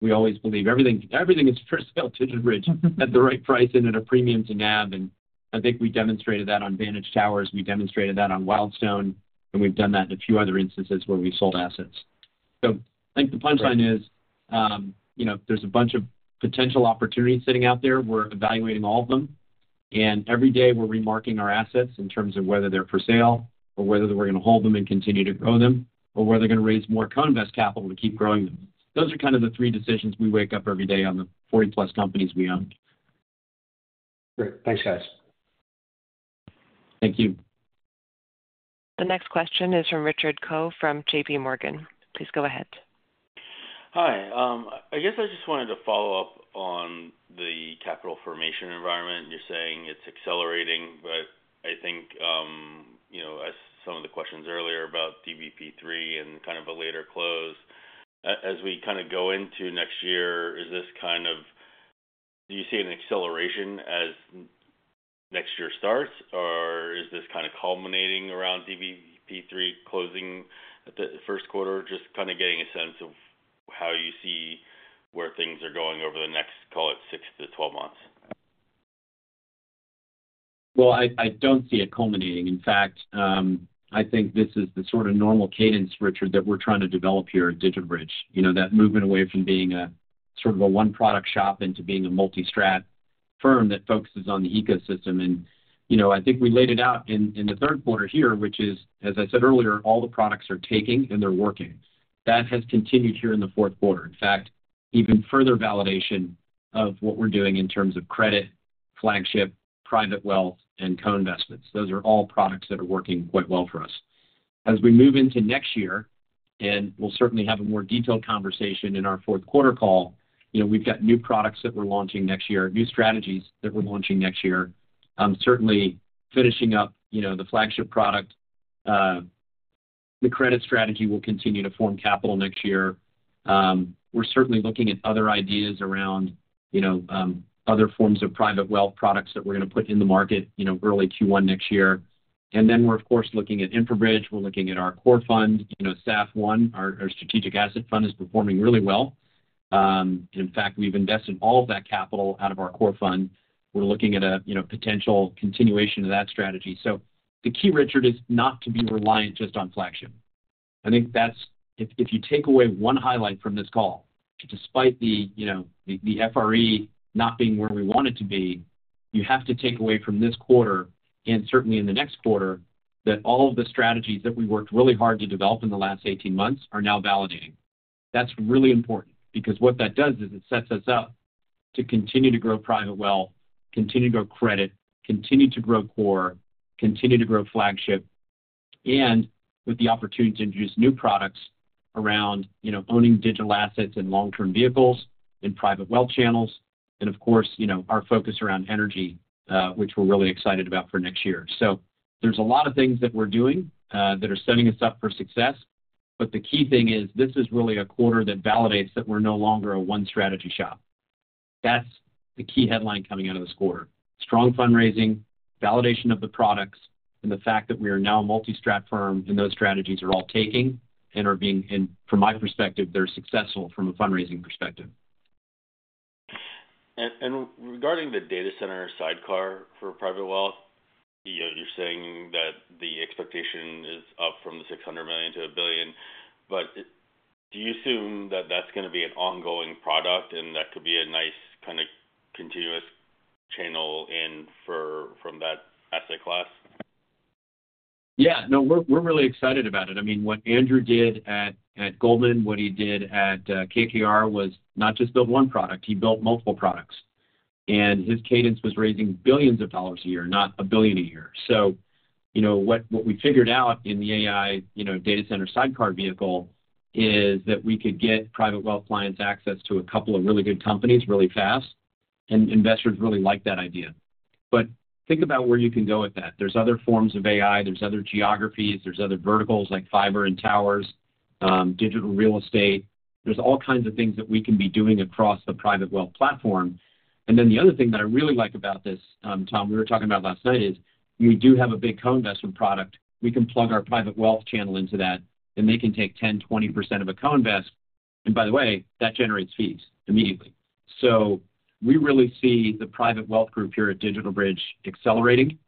we always believe everything is for sale at DigitalBridge at the right price and at a premium to NAV. And I think we demonstrated that on Vantage Towers. We demonstrated that on Wildstone, and we've done that in a few other instances where we've sold assets. So I think the punchline is there's a bunch of potential opportunities sitting out there. We're evaluating all of them. And every day, we're remarking our assets in terms of whether they're for sale or whether we're going to hold them and continue to grow them or whether they're going to raise more co-invest capital to keep growing them. Those are kind of the three decisions we wake up every day on the 40-plus companies we own. Great. Thanks, guys. Thank you. The next question is from Richard Choe from JPMorgan. Please go ahead. Hi. I guess I just wanted to follow up on the capital formation environment. You're saying it's accelerating, but I think as some of the questions earlier about DBP III and kind of a later close, as we kind of go into next year, is this kind of do you see an acceleration as next year starts, or is this kind of culminating around DBP III closing at the first quarter? Just kind of getting a sense of how you see where things are going over the next, call it, 6-12 months. Well, I don't see it culminating. In fact, I think this is the sort of normal Cadence, Richard, that we're trying to develop here at DigitalBridge, that movement away from being a sort of a one-product shop into being a multi-strat firm that focuses on the ecosystem. I think we laid it out in the third quarter here, which is, as I said earlier, all the products are taking and they're working. That has continued here in the fourth quarter. In fact, even further validation of what we're doing in terms of credit, flagship, private wealth, and co-investments. Those are all products that are working quite well for us. As we move into next year, and we'll certainly have a more detailed conversation in our fourth quarter call, we've got new products that we're launching next year, new strategies that we're launching next year, certainly finishing up the flagship product. The credit strategy will continue to form capital next year. We're certainly looking at other ideas around other forms of private wealth products that we're going to put in the market early Q1 next year. And then we're, of course, looking at InfraBridge. We're looking at our core fund, SAF1, our Strategic Asset Fund, is performing really well. In fact, we've invested all of that capital out of our core fund. We're looking at a potential continuation of that strategy. The key, Richard, is not to be reliant just on flagship. I think if you take away one highlight from this call, despite the FRE not being where we want it to be, you have to take away from this quarter and certainly in the next quarter that all of the strategies that we worked really hard to develop in the last 18 months are now validating. That's really important because what that does is it sets us up to continue to grow private wealth, continue to grow credit, continue to grow core, continue to grow flagship, and with the opportunity to introduce new products around owning digital assets and long-term vehicles and private wealth channels, and of course, our focus around energy, which we're really excited about for next year, so there's a lot of things that we're doing that are setting us up for success, but the key thing is this is really a quarter that validates that we're no longer a one-strategy shop. That's the key headline coming out of this quarter: strong fundraising, validation of the products, and the fact that we are now a multi-strategy firm and those strategies are all taking and are being, from my perspective, they're successful from a fundraising perspective. Regarding the data center sidecar for private wealth, you're saying that the expectation is up from the $600 million - $1 billion. But do you assume that that's going to be an ongoing product and that could be a nice kind of continuous channel in from that asset class? Yeah. No, we're really excited about it. I mean, what Andrew did at Goldman, what he did at KKR was not just build one product. He built multiple products. And his cadence was raising billions of dollars a year, not $1 billion a year. So what we figured out in the AI data center sidecar vehicle is that we could get private wealth clients access to a couple of really good companies really fast. And investors really like that idea. But think about where you can go with that. There's other forms of AI. There's other geographies. There's other verticals like fiber and towers, digital real estate. There's all kinds of things that we can be doing across the private wealth platform. And then the other thing that I really like about this, Tom, we were talking about last night is we do have a big co-investment product. We can plug our private wealth channel into that, and they can take 10%, 20% of a co-invest. And by the way, that generates fees immediately. So we really see the private wealth group here at DigitalBridge accelerating.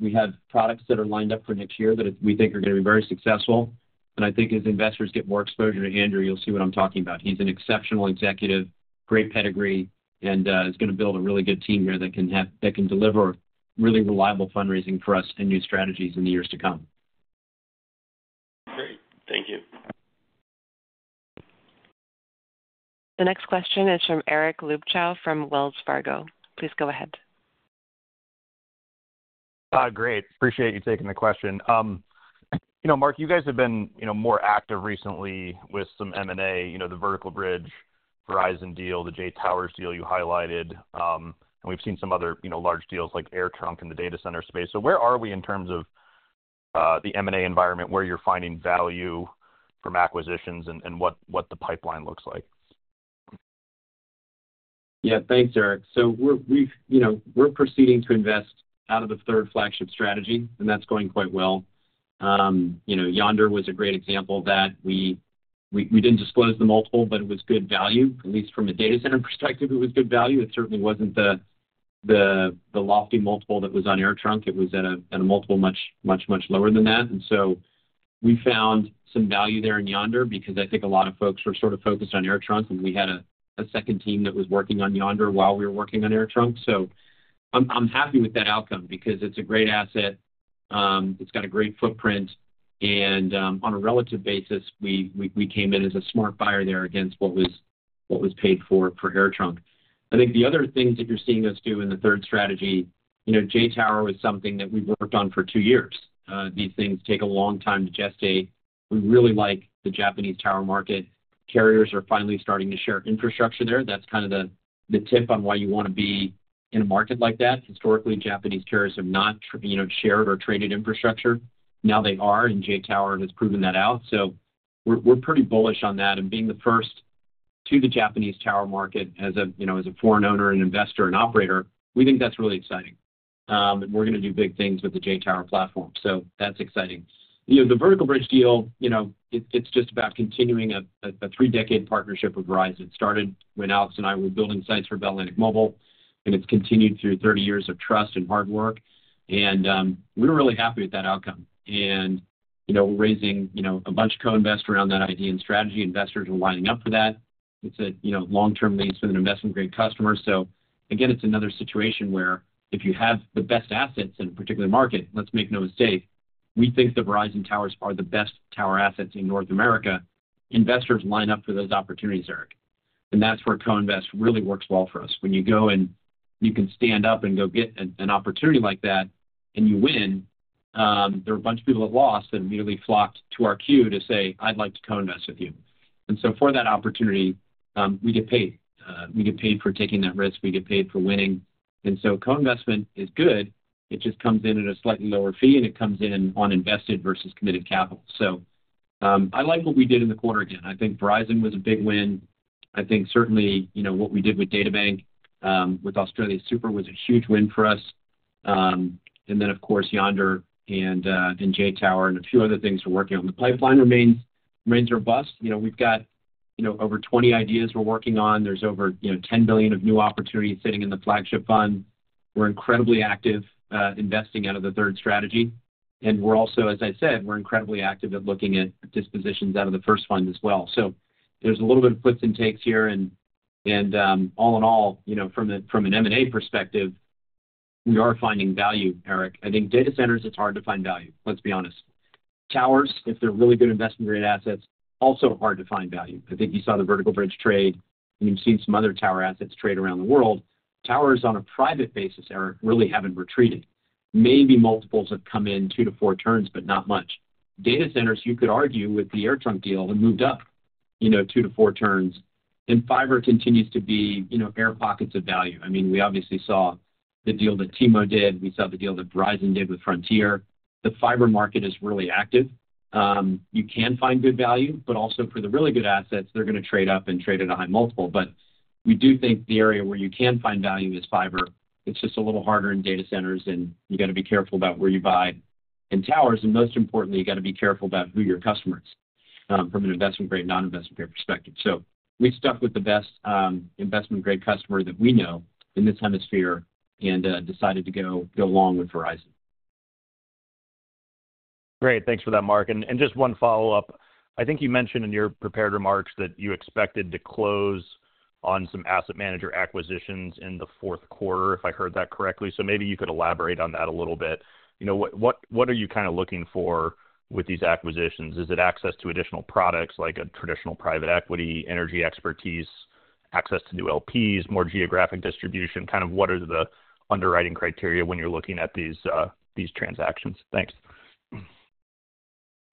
We have products that are lined up for next year that we think are going to be very successful. And I think as investors get more exposure to Andrew, you'll see what I'm talking about. He's an exceptional executive, great pedigree, and is going to build a really good team here that can deliver really reliable fundraising for us and new strategies in the years to come. Great. Thank you. The next question is from Eric Luebchow from Wells Fargo. Please go ahead. Great. Appreciate you taking the question. Marc, you guys have been more active recently with some M&A, the Vertical Bridge Verizon deal, the JTOWER deal you highlighted, and we've seen some other large deals like AirTrunk in the data center space, so where are we in terms of the M&A environment where you're finding value from acquisitions and what the pipeline looks like? Yeah. Thanks, Eric, so we're proceeding to invest out of the third flagship strategy, and that's going quite well. Yondr was a great example of that. We didn't disclose the multiple, but it was good value. At least from a data center perspective, it was good value. It certainly wasn't the lofty multiple that was on AirTrunk. It was at a multiple much, much, much lower than that. And so we found some value there in Yondr because I think a lot of folks were sort of focused on AirTrunk, and we had a second team that was working on Yondr while we were working on AirTrunk. So I'm happy with that outcome because it's a great asset. It's got a great footprint. And on a relative basis, we came in as a smart buyer there against what was paid for for AirTrunk. I think the other things that you're seeing us do in the third strategy, JTOWER was something that we worked on for two years. These things take a long time to gestate. We really like the Japanese tower market. Carriers are finally starting to share infrastructure there. That's kind of the tip on why you want to be in a market like that. Historically, Japanese carriers have not shared or traded infrastructure. Now they are, and JTOWER has proven that out. So we're pretty bullish on that. And being the first to the Japanese tower market as a foreign owner, an investor, and operator, we think that's really exciting. And we're going to do big things with the JTOWER platform. So that's exciting. The Vertical Bridge deal, it's just about continuing a three-decade partnership with Verizon. It started when Alex and I were building sites for Bell Atlantic Mobile, and it's continued through 30 years of trust and hard work. And we're really happy with that outcome. And we're raising a bunch of co-investors around that idea and strategy. Investors are lining up for that. It's a long-term lease with an investment-grade customer. So again, it's another situation where if you have the best assets in a particular market, let's make no mistake, we think the Verizon Towers are the best tower assets in North America. Investors line up for those opportunities, Eric. And that's where co-invest really works well for us. When you go and you can stand up and go get an opportunity like that and you win, there are a bunch of people that lost that immediately flocked to our queue to say, "I'd like to co-invest with you." And so for that opportunity, we get paid. We get paid for taking that risk. We get paid for winning. And so co-investment is good. It just comes in at a slightly lower fee, and it comes in on invested versus committed capital. So I like what we did in the quarter again. I think Verizon was a big win. I think certainly what we did with DataBank, with AustralianSuper, was a huge win for us. And then, of course, Yondr and JTOWER and a few other things we're working on. The pipeline remains robust. We've got over 20 ideas we're working on. There's over $10 billion of new opportunities sitting in the flagship fund. We're incredibly active investing out of the third strategy. And we're also, as I said, we're incredibly active at looking at dispositions out of the first fund as well. So there's a little bit of flips and takes here. And all in all, from an M&A perspective, we are finding value, Eric. I think data centers, it's hard to find value. Let's be honest. Towers, if they're really good investment-grade assets, also hard to find value. I think you saw the Vertical Bridge trade, and you've seen some other tower assets trade around the world. Towers on a private basis, Eric, really haven't retreated. Maybe multiples have come in two to four turns, but not much. Data centers, you could argue with the AirTrunk deal, it moved up two to four turns, and fiber continues to be air pockets of value. I mean, we obviously saw the deal that Timo did. We saw the deal that Verizon did with Frontier. The fiber market is really active. You can find good value, but also for the really good assets, they're going to trade up and trade at a high multiple, but we do think the area where you can find value is fiber. It's just a little harder in data centers, and you got to be careful about where you buy. And towers, and most importantly, you got to be careful about who your customer is from an investment-grade, non-investment-grade perspective. So we stuck with the best investment-grade customer that we know in this hemisphere and decided to go along with Verizon. Great. Thanks for that, Marc. And just one follow-up. I think you mentioned in your prepared remarks that you expected to close on some asset manager acquisitions in the fourth quarter, if I heard that correctly. So maybe you could elaborate on that a little bit. What are you kind of looking for with these acquisitions? Is it access to additional products like a traditional private equity, energy expertise, access to new LPs, more geographic distribution? Kind of what are the underwriting criteria when you're looking at these transactions? Thanks.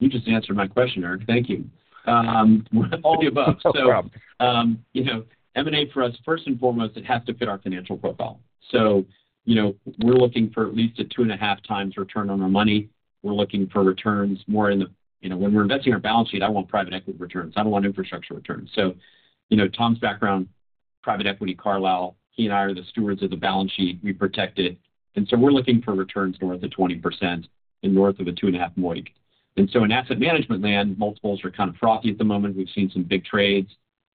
You just answered my question, Eric. Thank you. All of the above. So M&A for us, first and foremost, it has to fit our financial profile. So we're looking for at least a two-and-a-half times return on our money. We're looking for returns more in the when we're investing in our balance sheet, I want private equity returns. I don't want infrastructure returns. So Tom's background, private equity, Carlyle, he and I are the stewards of the balance sheet. We protect it. And so we're looking for returns north of 20% and north of a two-and-a-half MOIC. And so in asset management land, multiples are kind of frothy at the moment. We've seen some big trades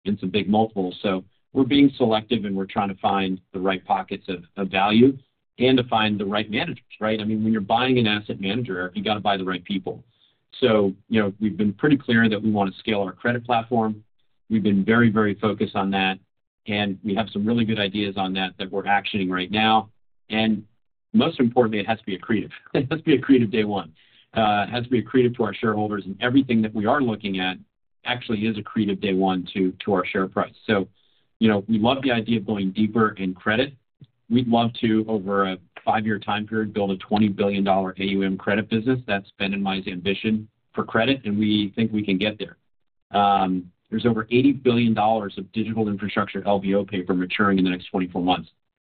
and some big multiples. So we're being selective, and we're trying to find the right pockets of value and to find the right managers, right? I mean, when you're buying an asset manager, Eric, you got to buy the right people. We've been pretty clear that we want to scale our credit platform. We've been very, very focused on that, and we have some really good ideas on that that we're actioning right now. Most importantly, it has to be accretive. It has to be accretive day one. It has to be accretive to our shareholders, and everything that we are looking at actually is accretive day one to our share price. We love the idea of going deeper in credit. We'd love to, over a five-year time period, build a $20 billion AUM credit business. That's Ben and my's ambition for credit, and we think we can get there. There's over $80 billion of digital infrastructure LBO paper maturing in the next 24 months.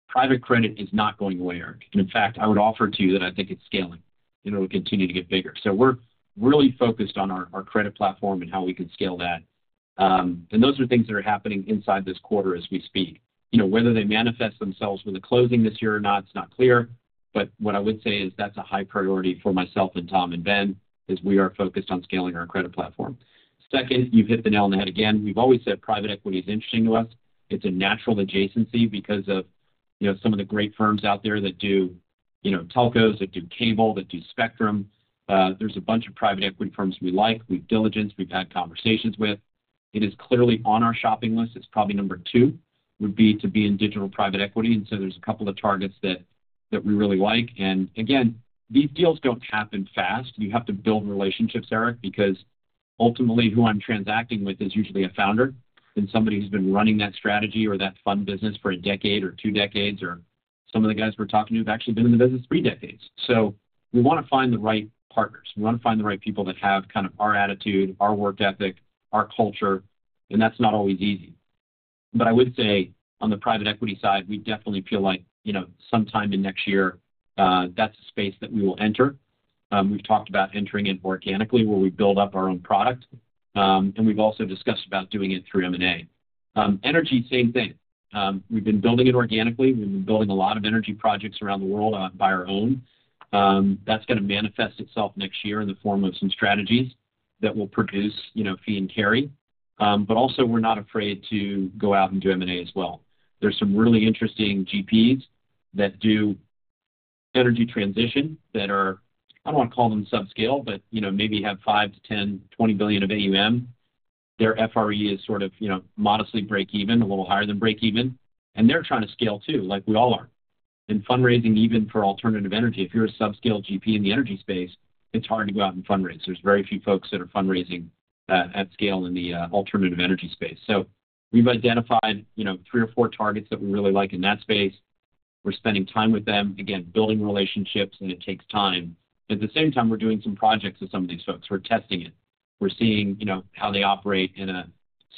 Private credit is not going away, Eric. In fact, I would offer to you that I think it's scaling. It'll continue to get bigger. So we're really focused on our credit platform and how we can scale that. Those are things that are happening inside this quarter as we speak. Whether they manifest themselves with a closing this year or not, it's not clear. But what I would say is that's a high priority for myself and Tom and Ben is we are focused on scaling our credit platform. Second, you've hit the nail on the head again. We've always said private equity is interesting to us. It's a natural adjacency because of some of the great firms out there that do telcos, that do cable, that do spectrum. There's a bunch of private equity firms we like. We've diligence. We've had conversations with. It is clearly on our shopping list. It's probably number two would be to be in digital private equity. And so there's a couple of targets that we really like. And again, these deals don't happen fast. You have to build relationships, Eric, because ultimately who I'm transacting with is usually a founder and somebody who's been running that strategy or that fund business for a decade or two decades. Or some of the guys we're talking to have actually been in the business three decades. So we want to find the right partners. We want to find the right people that have kind of our attitude, our work ethic, our culture. And that's not always easy. But I would say on the private equity side, we definitely feel like sometime in next year, that's a space that we will enter. We've talked about entering in organically where we build up our own product. We've also discussed about doing it through M&A. Energy, same thing. We've been building it organically. We've been building a lot of energy projects around the world by our own. That's going to manifest itself next year in the form of some strategies that will produce fee and carry. But also, we're not afraid to go out and do M&A as well. There's some really interesting GPs that do energy transition that are, I don't want to call them subscale, but maybe have 5-10 or 20 billion of AUM. Their FRE is sort of modestly break even, a little higher than break even. They're trying to scale too, like we all are. Fundraising, even for alternative energy, if you're a subscale GP in the energy space, it's hard to go out and fundraise. There's very few folks that are fundraising at scale in the alternative energy space. So we've identified three or four targets that we really like in that space. We're spending time with them, again, building relationships, and it takes time. At the same time, we're doing some projects with some of these folks. We're testing it. We're seeing how they operate in a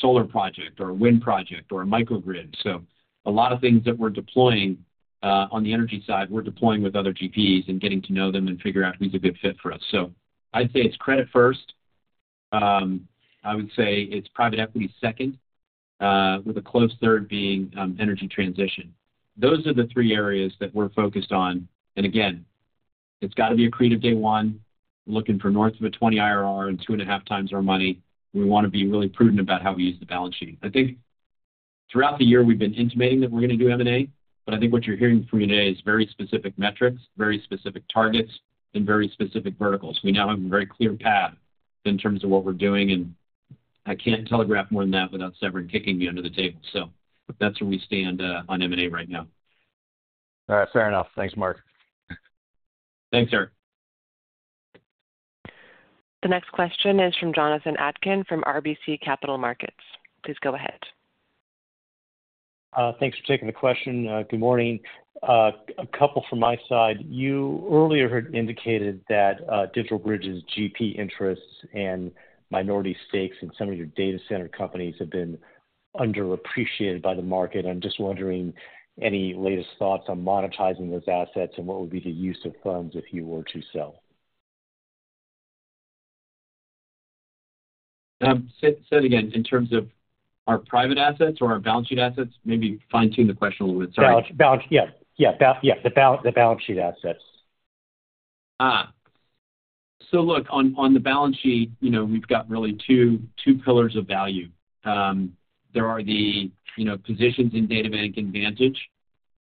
solar project or a wind project or a microgrid. So a lot of things that we're deploying on the energy side, we're deploying with other GPs and getting to know them and figure out who's a good fit for us. So I'd say it's credit first. I would say it's private equity second, with a close third being energy transition. Those are the three areas that we're focused on. And again, it's got to be a creative day one, looking for north of a 20 IRR and two-and-a-half times our money. We want to be really prudent about how we use the balance sheet. I think throughout the year, we've been intimating that we're going to do M&A, but I think what you're hearing from me today is very specific metrics, very specific targets, and very specific verticals. We now have a very clear path in terms of what we're doing. And I can't telegraph more than that without someone kicking me under the table. So that's where we stand on M&A right now. Fair enough. Thanks, Marc. Thanks, Eric. The next question is from Jonathan Atkin from RBC Capital Markets. Please go ahead. Thanks for taking the question. Good morning. A couple from my side. You earlier had indicated that DigitalBridge's GP interests and minority stakes in some of your data center companies have been underappreciated by the market. I'm just wondering any latest thoughts on monetizing those assets and what would be the use of funds if you were to sell. Said again, in terms of our private assets or our balance sheet assets, maybe fine-tune the question a little bit. Sorry. Yeah. Yeah. Yeah. The balance sheet assets. So look, on the balance sheet, we've got really two pillars of value. There are the positions in DataBank and Vantage,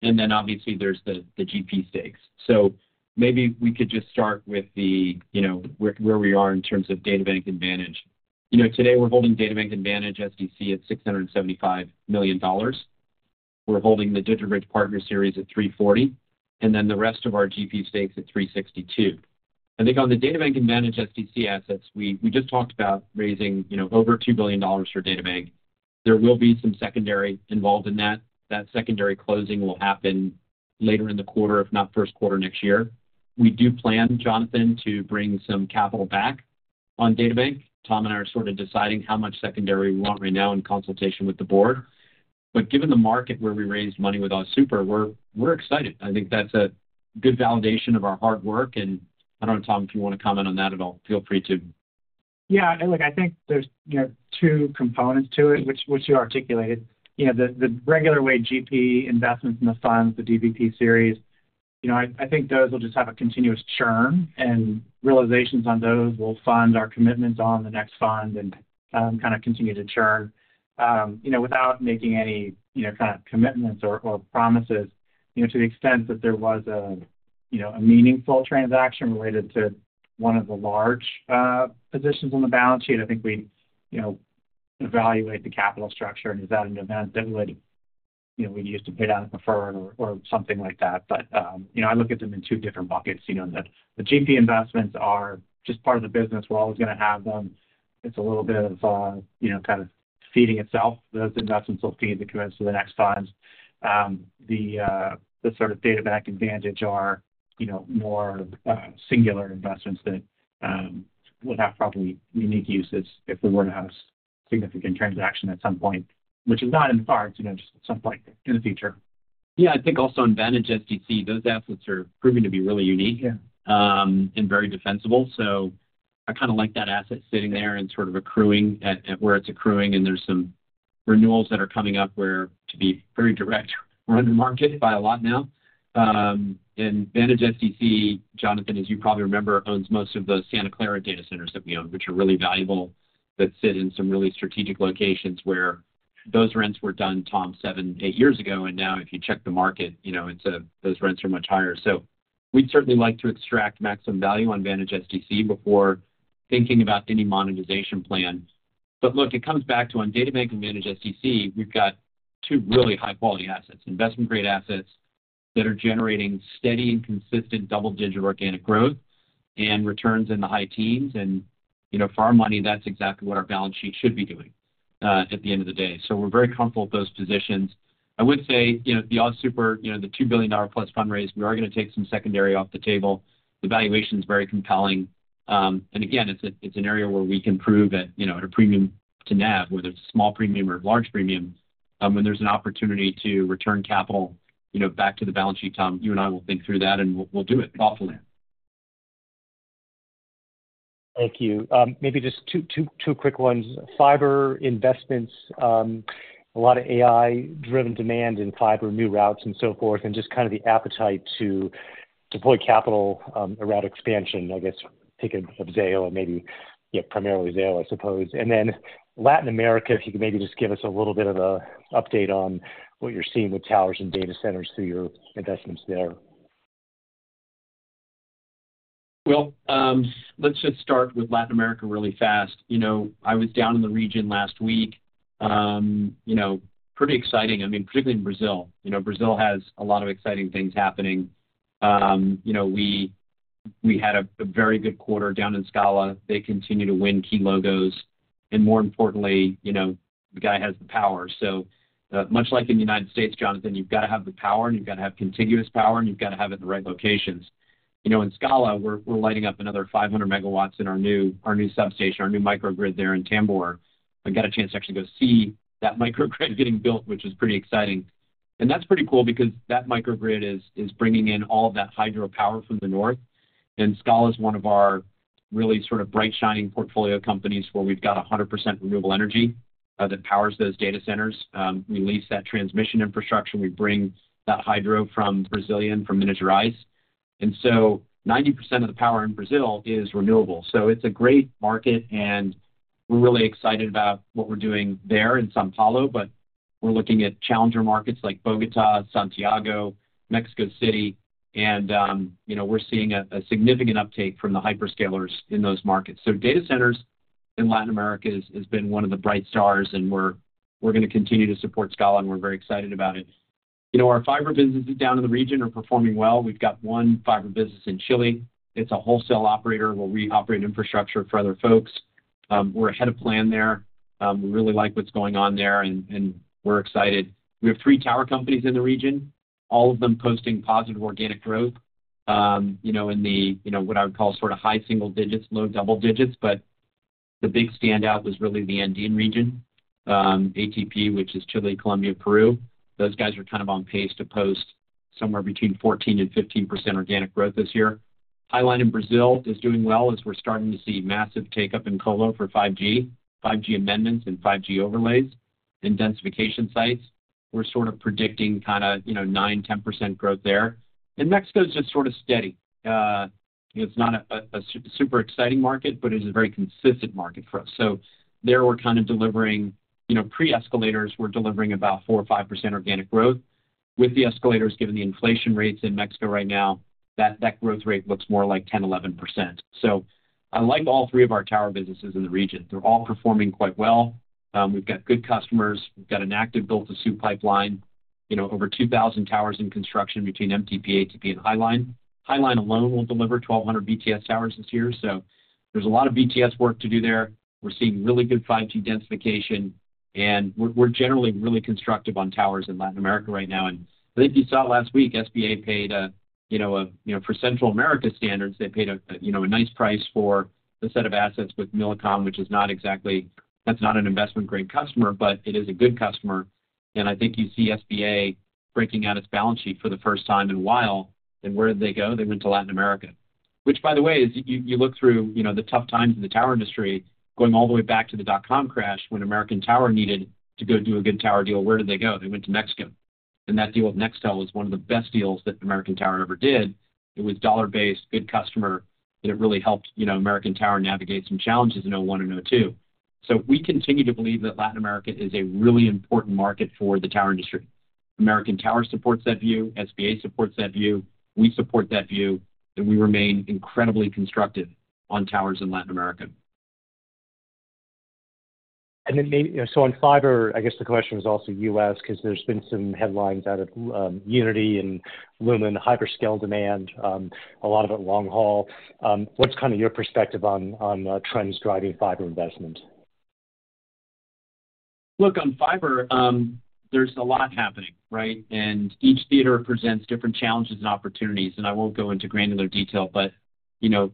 and then obviously there's the GP stakes. So maybe we could just start with where we are in terms of DataBank and Vantage. Today, we're holding DataBank and Vantage SDC at $675 million. We're holding the DigitalBridge Partners series at $340 million, and then the rest of our GP stakes at $362 million. I think on the DataBank Vantage SDC assets, we just talked about raising over $2 billion for DataBank. There will be some secondary involved in that. That secondary closing will happen later in the quarter, if not first quarter next year. We do plan, Jonathan, to bring some capital back on DataBank. Tom and I are sort of deciding how much secondary we want right now in consultation with the board. But given the market where we raised money with AustralianSuper, we're excited. I think that's a good validation of our hard work. And I don't know, Tom, if you want to comment on that at all. Feel free to. Yeah. I think there's two components to it, which you articulated. The regular way GP investments in the funds, the DBP series, I think those will just have a continuous churn, and realizations on those will fund our commitments on the next fund and kind of continue to churn without making any kind of commitments or promises. To the extent that there was a meaningful transaction related to one of the large positions on the balance sheet, I think we'd evaluate the capital structure, and is that an event that we'd use to pay down a preferred or something like that? But I look at them in two different buckets. The GP investments are just part of the business. We're always going to have them. It's a little bit of kind of feeding itself. Those investments will feed the commitments for the next funds. The sort of DataBank advantage are more singular investments that would have probably unique uses if we were to have a significant transaction at some point, which is not in the cards, just at some point in the future. Yeah. I think also in Vantage SDC, those assets are proving to be really unique and very defensible, so I kind of like that asset sitting there and sort of accruing at where it's accruing. And there's some renewals that are coming up where, to be very direct, we're under market by a lot now, and Vantage SDC, Jonathan, as you probably remember, owns most of the Santa Clara data centers that we own, which are really valuable that sit in some really strategic locations where those rents were done, Tom, seven, eight years ago, and now, if you check the market, those rents are much higher. So we'd certainly like to extract maximum value on Vantage SDC before thinking about any monetization plan. But look, it comes back to on DataBank and Vantage SDC. We've got two really high-quality assets, investment-grade assets that are generating steady and consistent double-digit organic growth and returns in the high teens. And for our money, that's exactly what our balance sheet should be doing at the end of the day. So we're very comfortable with those positions. I would say the AustralianSuper, the $2 billion plus fundraise, we are going to take some secondary off the table. The valuation is very compelling. And again, it's an area where we can prove at a premium to nav, whether it's a small premium or large premium. When there's an opportunity to return capital back to the balance sheet, Tom, you and I will think through that, and we'll do it thoughtfully. Thank you. Maybe just two quick ones. Fiber investments, a lot of AI-driven demand in Fiber, new routes, and so forth, and just kind of the appetite to deploy capital around expansion, I guess, taking of Zayo and maybe primarily Zayo, I suppose. And then Latin America, if you could maybe just give us a little bit of an update on what you're seeing with towers and data centers through your investments there. Let's just start with Latin America really fast. I was down in the region last week. Pretty exciting. I mean, particularly in Brazil. Brazil has a lot of exciting things happening. We had a very good quarter down in Scala. They continue to win key logos. And more importantly, the guy has the power. So much like in the United States, Jonathan, you've got to have the power, and you've got to have contiguous power, and you've got to have it in the right locations. In Scala, we're lighting up another 500 MW in our new substation, our new microgrid there in Tamboré. I got a chance to actually go see that microgrid getting built, which is pretty exciting. And that's pretty cool because that microgrid is bringing in all of that hydro power from the north. And Scala is one of our really sort of bright-shining portfolio companies where we've got 100% renewable energy that powers those data centers. We lease that transmission infrastructure. We bring that hydro from Brazil, from Minas Gerais. And so 90% of the power in Brazil is renewable. It's a great market, and we're really excited about what we're doing there in São Paulo, but we're looking at challenger markets like Bogotá, Santiago, Mexico City, and we're seeing a significant uptake from the hyperscalers in those markets. Data centers in Latin America has been one of the bright stars, and we're going to continue to support Scala, and we're very excited about it. Our fiber businesses down in the region are performing well. We've got one fiber business in Chile. It's a wholesale operator where we operate infrastructure for other folks. We're ahead of plan there. We really like what's going on there, and we're excited. We have three tower companies in the region, all of them posting positive organic growth in the what I would call sort of high single digits, low double digits. But the big standout was really the Andean region, ATP, which is Chile, Colombia, Peru. Those guys are kind of on pace to post somewhere between 14% and 15% organic growth this year. Highline in Brazil is doing well as we're starting to see massive take-up in Colo for 5G, 5G amendments and 5G overlays, and densification sites. We're sort of predicting kind of 9%-10% growth there. And Mexico is just sort of steady. It's not a super exciting market, but it is a very consistent market for us. So there we're kind of delivering pre-escalators. We're delivering about 4% or 5% organic growth. With the escalators, given the inflation rates in Mexico right now, that growth rate looks more like 10%-11%. So I like all three of our tower businesses in the region. They're all performing quite well. We've got good customers. We've got an active built-to-suit pipeline, over 2,000 towers in construction between MTP, ATP, and Highline. Highline alone will deliver 1,200 BTS towers this year. So there's a lot of BTS work to do there. We're seeing really good 5G densification, and we're generally really constructive on towers in Latin America right now. And I think you saw last week, SBA paid for Central American stand-alones. They paid a nice price for a set of assets with Millicom, which is not exactly - that's not an investment-grade customer, but it is a good customer. And I think you see SBA breaking out its balance sheet for the first time in a while. And where did they go? They went to Latin America. Which, by the way, if you look through the tough times in the tower industry, going all the way back to the dot-com crash when American Tower needed to go do a good tower deal, where did they go? They went to Mexico. And that deal with Nextel was one of the best deals that American Tower ever did. It was dollar-based, good customer, and it really helped American Tower navigate some challenges in 2001 and 2002. So we continue to believe that Latin America is a really important market for the tower industry. American Tower supports that view. SBA supports that view. We support that view, and we remain incredibly constructive on towers in Latin America. And then maybe so on fiber, I guess the question is also U.S. because there's been some headlines out of Uniti and Lumen, hyperscale demand, a lot of it long haul. What's kind of your perspective on trends driving fiber investment? Look, on fiber, there's a lot happening, right? And each theater presents different challenges and opportunities. And I won't go into granular detail, but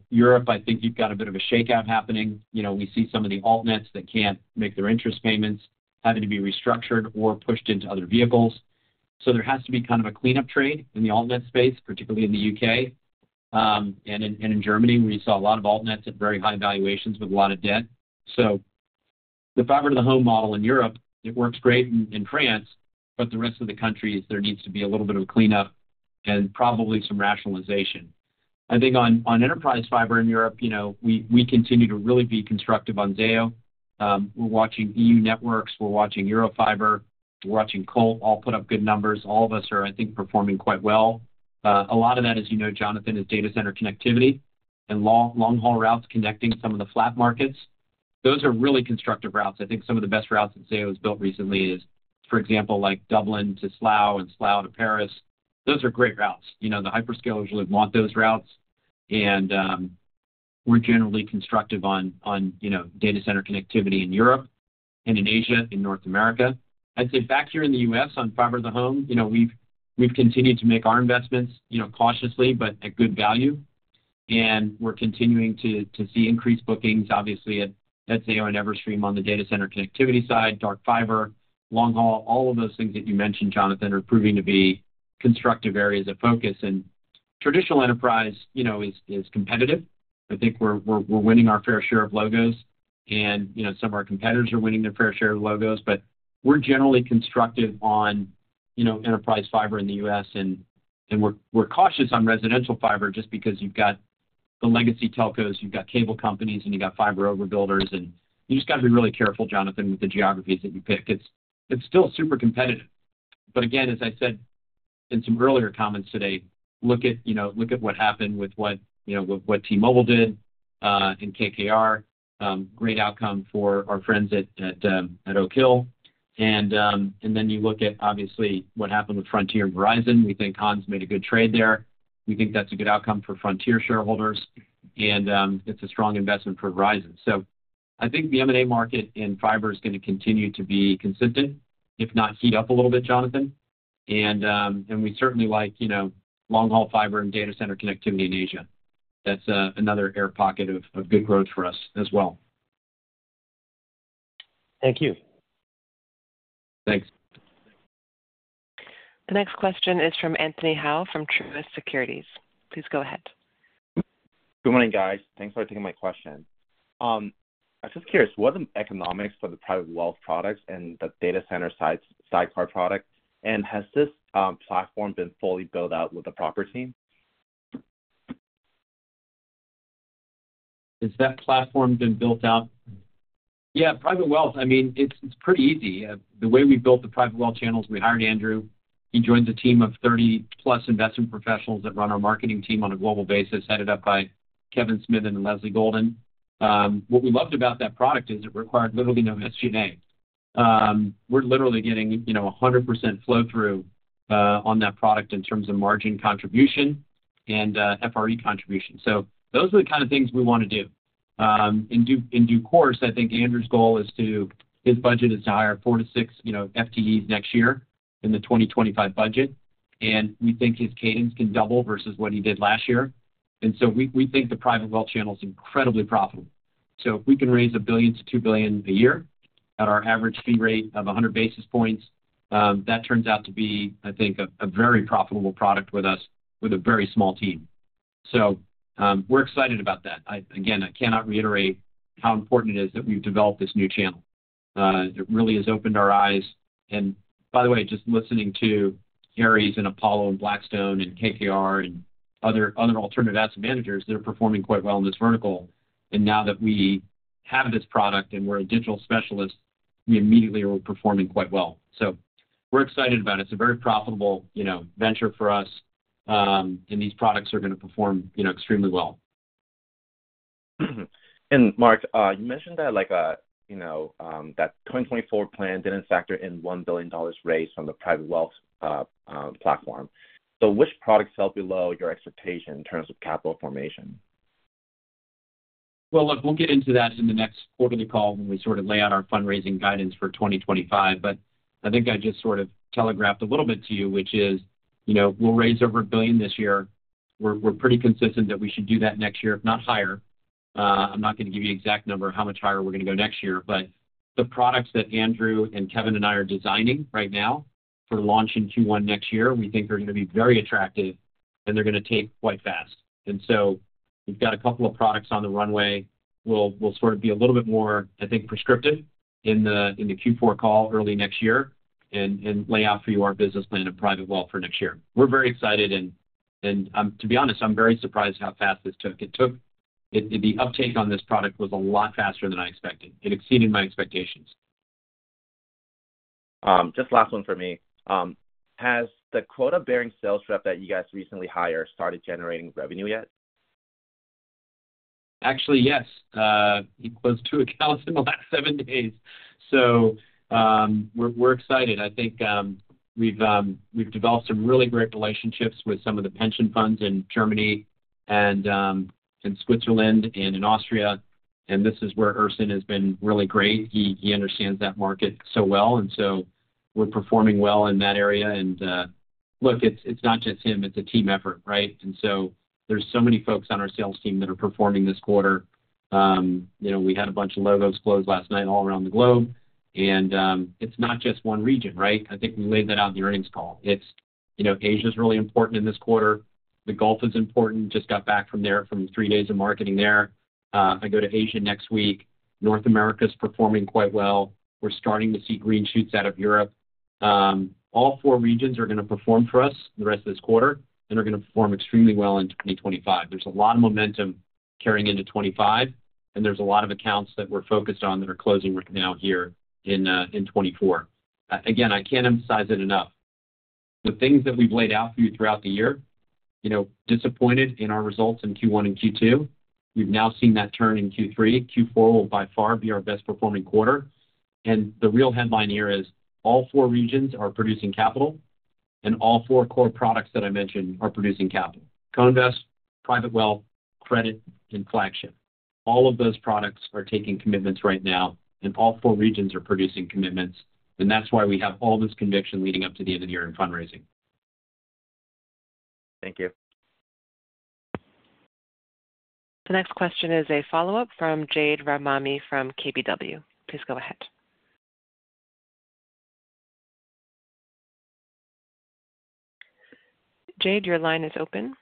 Europe, I think you've got a bit of a shakeout happening. We see some of the alt-nets that can't make their interest payments, having to be restructured or pushed into other vehicles. So there has to be kind of a cleanup trade in the alt-net space, particularly in the U.K. and in Germany, where you saw a lot of alt-nets at very high valuations with a lot of debt. So the fiber-to-the-home model in Europe, it works great in France, but the rest of the countries, there needs to be a little bit of a cleanup and probably some rationalization. I think on enterprise fiber in Europe, we continue to really be constructive on Zayo. We're watching euNetworks. We're watching Eurofiber. We're watching Colt. All put up good numbers. All of us are, I think, performing quite well. A lot of that, as you know, Jonathan, is data center connectivity and long-haul routes connecting some of the flat markets. Those are really constructive routes. I think some of the best routes that Zayo has built recently is, for example, like Dublin to Slough and Slough to Paris. Those are great routes. The hyperscalers really want those routes. And we're generally constructive on data center connectivity in Europe and in Asia, in North America. I'd say back here in the U.S., on fiber-to-the-home, we've continued to make our investments cautiously, but at good value. And we're continuing to see increased bookings, obviously, at Zayo and Everstream on the data center connectivity side, dark fiber, long haul, all of those things that you mentioned, Jonathan, are proving to be constructive areas of focus. And traditional enterprise is competitive. I think we're winning our fair share of logos, and some of our competitors are winning their fair share of logos. But we're generally constructive on enterprise fiber in the U.S., and we're cautious on residential fiber just because you've got the legacy telcos, you've got cable companies, and you've got fiber overbuilders. And you just got to be really careful, Jonathan, with the geographies that you pick. It's still super competitive. But again, as I said in some earlier comments today, look at what happened with what T-Mobile did and KKR. Great outcome for our friends at Oak Hill. And then you look at, obviously, what happened with Frontier and Verizon. We think Hans made a good trade there. We think that's a good outcome for Frontier shareholders, and it's a strong investment for Verizon. So I think the M&A market in fiber is going to continue to be consistent, if not heat up a little bit, Jonathan. And we certainly like long-haul fiber and data center connectivity in Asia. That's another air pocket of good growth for us as well. Thank you. Thanks. The next question is from Anthony Hau from Truist Securities. Please go ahead. Good morning, guys. Thanks for taking my question. I'm just curious, what are the economics for the private wealth products and the data center sidecar product? And has this platform been fully built out with the property? Has that platform been built out? Yeah, private wealth. I mean, it's pretty easy. The way we built the private wealth channels, we hired Andrew. He joins a team of 30-plus investment professionals that run our marketing team on a global basis, headed up by Kevin Smithen and Leslie Golden. What we loved about that product is it required literally no SG&A. We're literally getting 100% flow-through on that product in terms of margin contribution and FRE contribution. So those are the kind of things we want to do. In due course, I think Andrew's goal is to, his budget is to hire four to six FTEs next year in the 2025 budget, and we think his cadence can double versus what he did last year, and so we think the private wealth channel is incredibly profitable. So if we can raise $1 billion-$2 billion a year at our average fee rate of 100 basis points, that turns out to be, I think, a very profitable product with us with a very small team. So we're excited about that. Again, I cannot reiterate how important it is that we've developed this new channel. It really has opened our eyes. And by the way, just listening to Ares and Apollo and Blackstone and KKR and other alternative asset managers, they're performing quite well in this vertical. And now that we have this product and we're a digital specialist, we immediately are performing quite well. So we're excited about it. It's a very profitable venture for us, and these products are going to perform extremely well. And Marc, you mentioned that 2024 plan didn't factor in $1 billion raise from the private wealth platform. Which products fell below your expectation in terms of capital formation? Well, look, we'll get into that in the next quarterly call when we sort of lay out our fundraising guidance for 2025. But I think I just sort of telegraphed a little bit to you, which is we'll raise over $1 billion this year. We're pretty consistent that we should do that next year, if not higher. I'm not going to give you an exact number of how much higher we're going to go next year, but the products that Andrew and Kevin and I are designing right now for launch in Q1 next year, we think are going to be very attractive, and they're going to take quite fast. And so we've got a couple of products on the runway. We'll sort of be a little bit more, I think, prescriptive in the Q4 call early next year and lay out for you our business plan of private wealth for next year. We're very excited. And to be honest, I'm very surprised how fast this took. The uptake on this product was a lot faster than I expected. It exceeded my expectations. Just last one for me. Has the quota-bearing sales rep that you guys recently hired started generating revenue yet? Actually, yes. He closed two accounts in the last seven days. So we're excited. I think we've developed some really great relationships with some of the pension funds in Germany and Switzerland and in Austria. And this is where Ersin has been really great. He understands that market so well. And so we're performing well in that area. And look, it's not just him. It's a team effort, right? There's so many folks on our sales team that are performing this quarter. We had a bunch of logos close last night all around the globe. It's not just one region, right? I think we laid that out in the earnings call. Asia is really important in this quarter. The Gulf is important. Just got back from there from three days of marketing there. I go to Asia next week. North America is performing quite well. We're starting to see green shoots out of Europe. All four regions are going to perform for us the rest of this quarter and are going to perform extremely well in 2025. There's a lot of momentum carrying into 2025, and there's a lot of accounts that we're focused on that are closing right now here in 2024. Again, I can't emphasize it enough. The things that we've laid out for you throughout the year. Disappointed in our results in Q1 and Q2. We've now seen that turn in Q3. Q4 will by far be our best performing quarter. And the real headline here is all four regions are producing capital, and all four core products that I mentioned are producing capital: co-invest, private wealth, credit, and flagship. All of those products are taking commitments right now, and all four regions are producing commitments. And that's why we have all this conviction leading up to the end of the year in fundraising. Thank you. The next question is a follow-up from Jade Rahmani from KBW. Please go ahead. Jade, your line is open.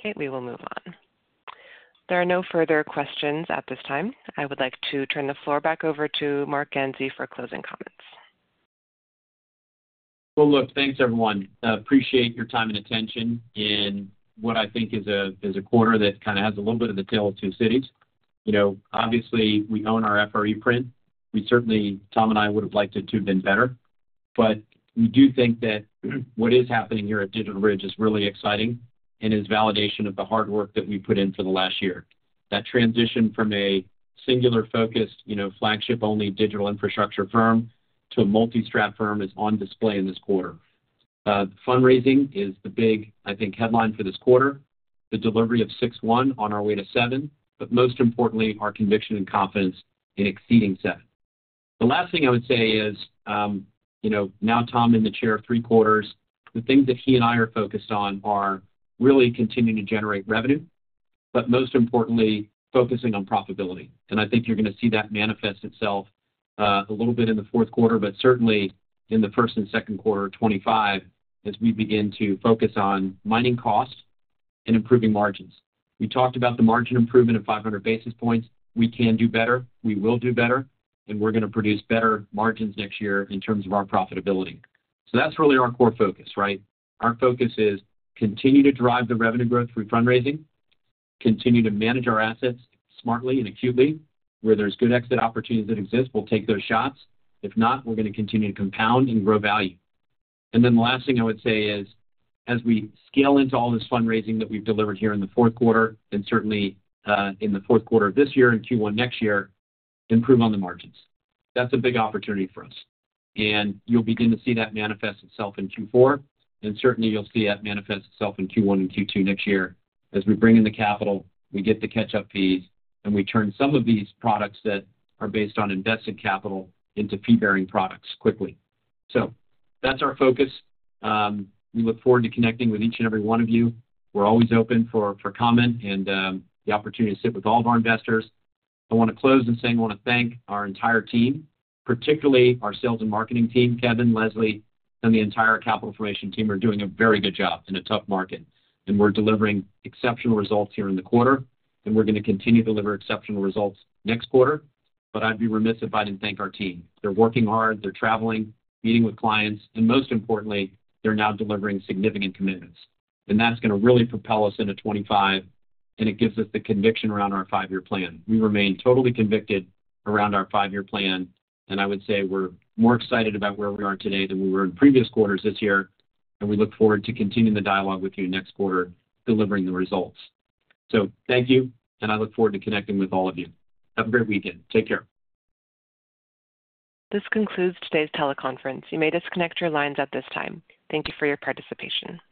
Okay. We will move on. There are no further questions at this time. I would like to turn the floor back over to Marc Ganzi for closing comments. Well, look, thanks, everyone. I appreciate your time and attention in what I think is a quarter that kind of has a little bit of the tale of two cities. Obviously, we own our FRE print. We certainly, Tom and I, would have liked it to have been better. But we do think that what is happening here at DigitalBridge is really exciting and is validation of the hard work that we put in for the last year. That transition from a singular-focused, flagship-only digital infrastructure firm to a multi-strat firm is on display in this quarter. Fundraising is the big, I think, headline for this quarter, the delivery of $6.1 billion on our way to $7 billion, but most importantly, our conviction and confidence in exceeding $7 billion. The last thing I would say is now, Tom is in the chair for three quarters, the things that he and I are focused on are really continuing to generate revenue, but most importantly, focusing on profitability. I think you're going to see that manifest itself a little bit in the fourth quarter, but certainly in the first and second quarter of 2025 as we begin to focus on managing costs and improving margins. We talked about the margin improvement of 500 basis points. We can do better. We will do better. We're going to produce better margins next year in terms of our profitability. So that's really our core focus, right? Our focus is to continue to drive the revenue growth through fundraising, continue to manage our assets smartly and acutely. Where there's good exit opportunities that exist, we'll take those shots. If not, we're going to continue to compound and grow value, and then the last thing I would say is, as we scale into all this fundraising that we've delivered here in the fourth quarter and certainly in the fourth quarter of this year and Q1 next year, improve on the margins. That's a big opportunity for us, and you'll begin to see that manifest itself in Q4, and certainly, you'll see that manifest itself in Q1 and Q2 next year as we bring in the capital, we get the catch-up fees, and we turn some of these products that are based on invested capital into fee-bearing products quickly, so that's our focus. We look forward to connecting with each and every one of you. We're always open for comment and the opportunity to sit with all of our investors. I want to close in saying I want to thank our entire team, particularly our sales and marketing team. Kevin, Leslie, and the entire capital formation team are doing a very good job in a tough market. And we're delivering exceptional results here in the quarter. And we're going to continue to deliver exceptional results next quarter. But I'd be remiss if I didn't thank our team. They're working hard. They're traveling, meeting with clients. And most importantly, they're now delivering significant commitments. And that's going to really propel us into 2025. And it gives us the conviction around our five-year plan. We remain totally convicted around our five-year plan. And I would say we're more excited about where we are today than we were in previous quarters this year. And we look forward to continuing the dialogue with you next quarter, delivering the results. So thank you. I look forward to connecting with all of you. Have a great weekend. Take care. This concludes today's teleconference. You may disconnect your lines at this time. Thank you for your participation.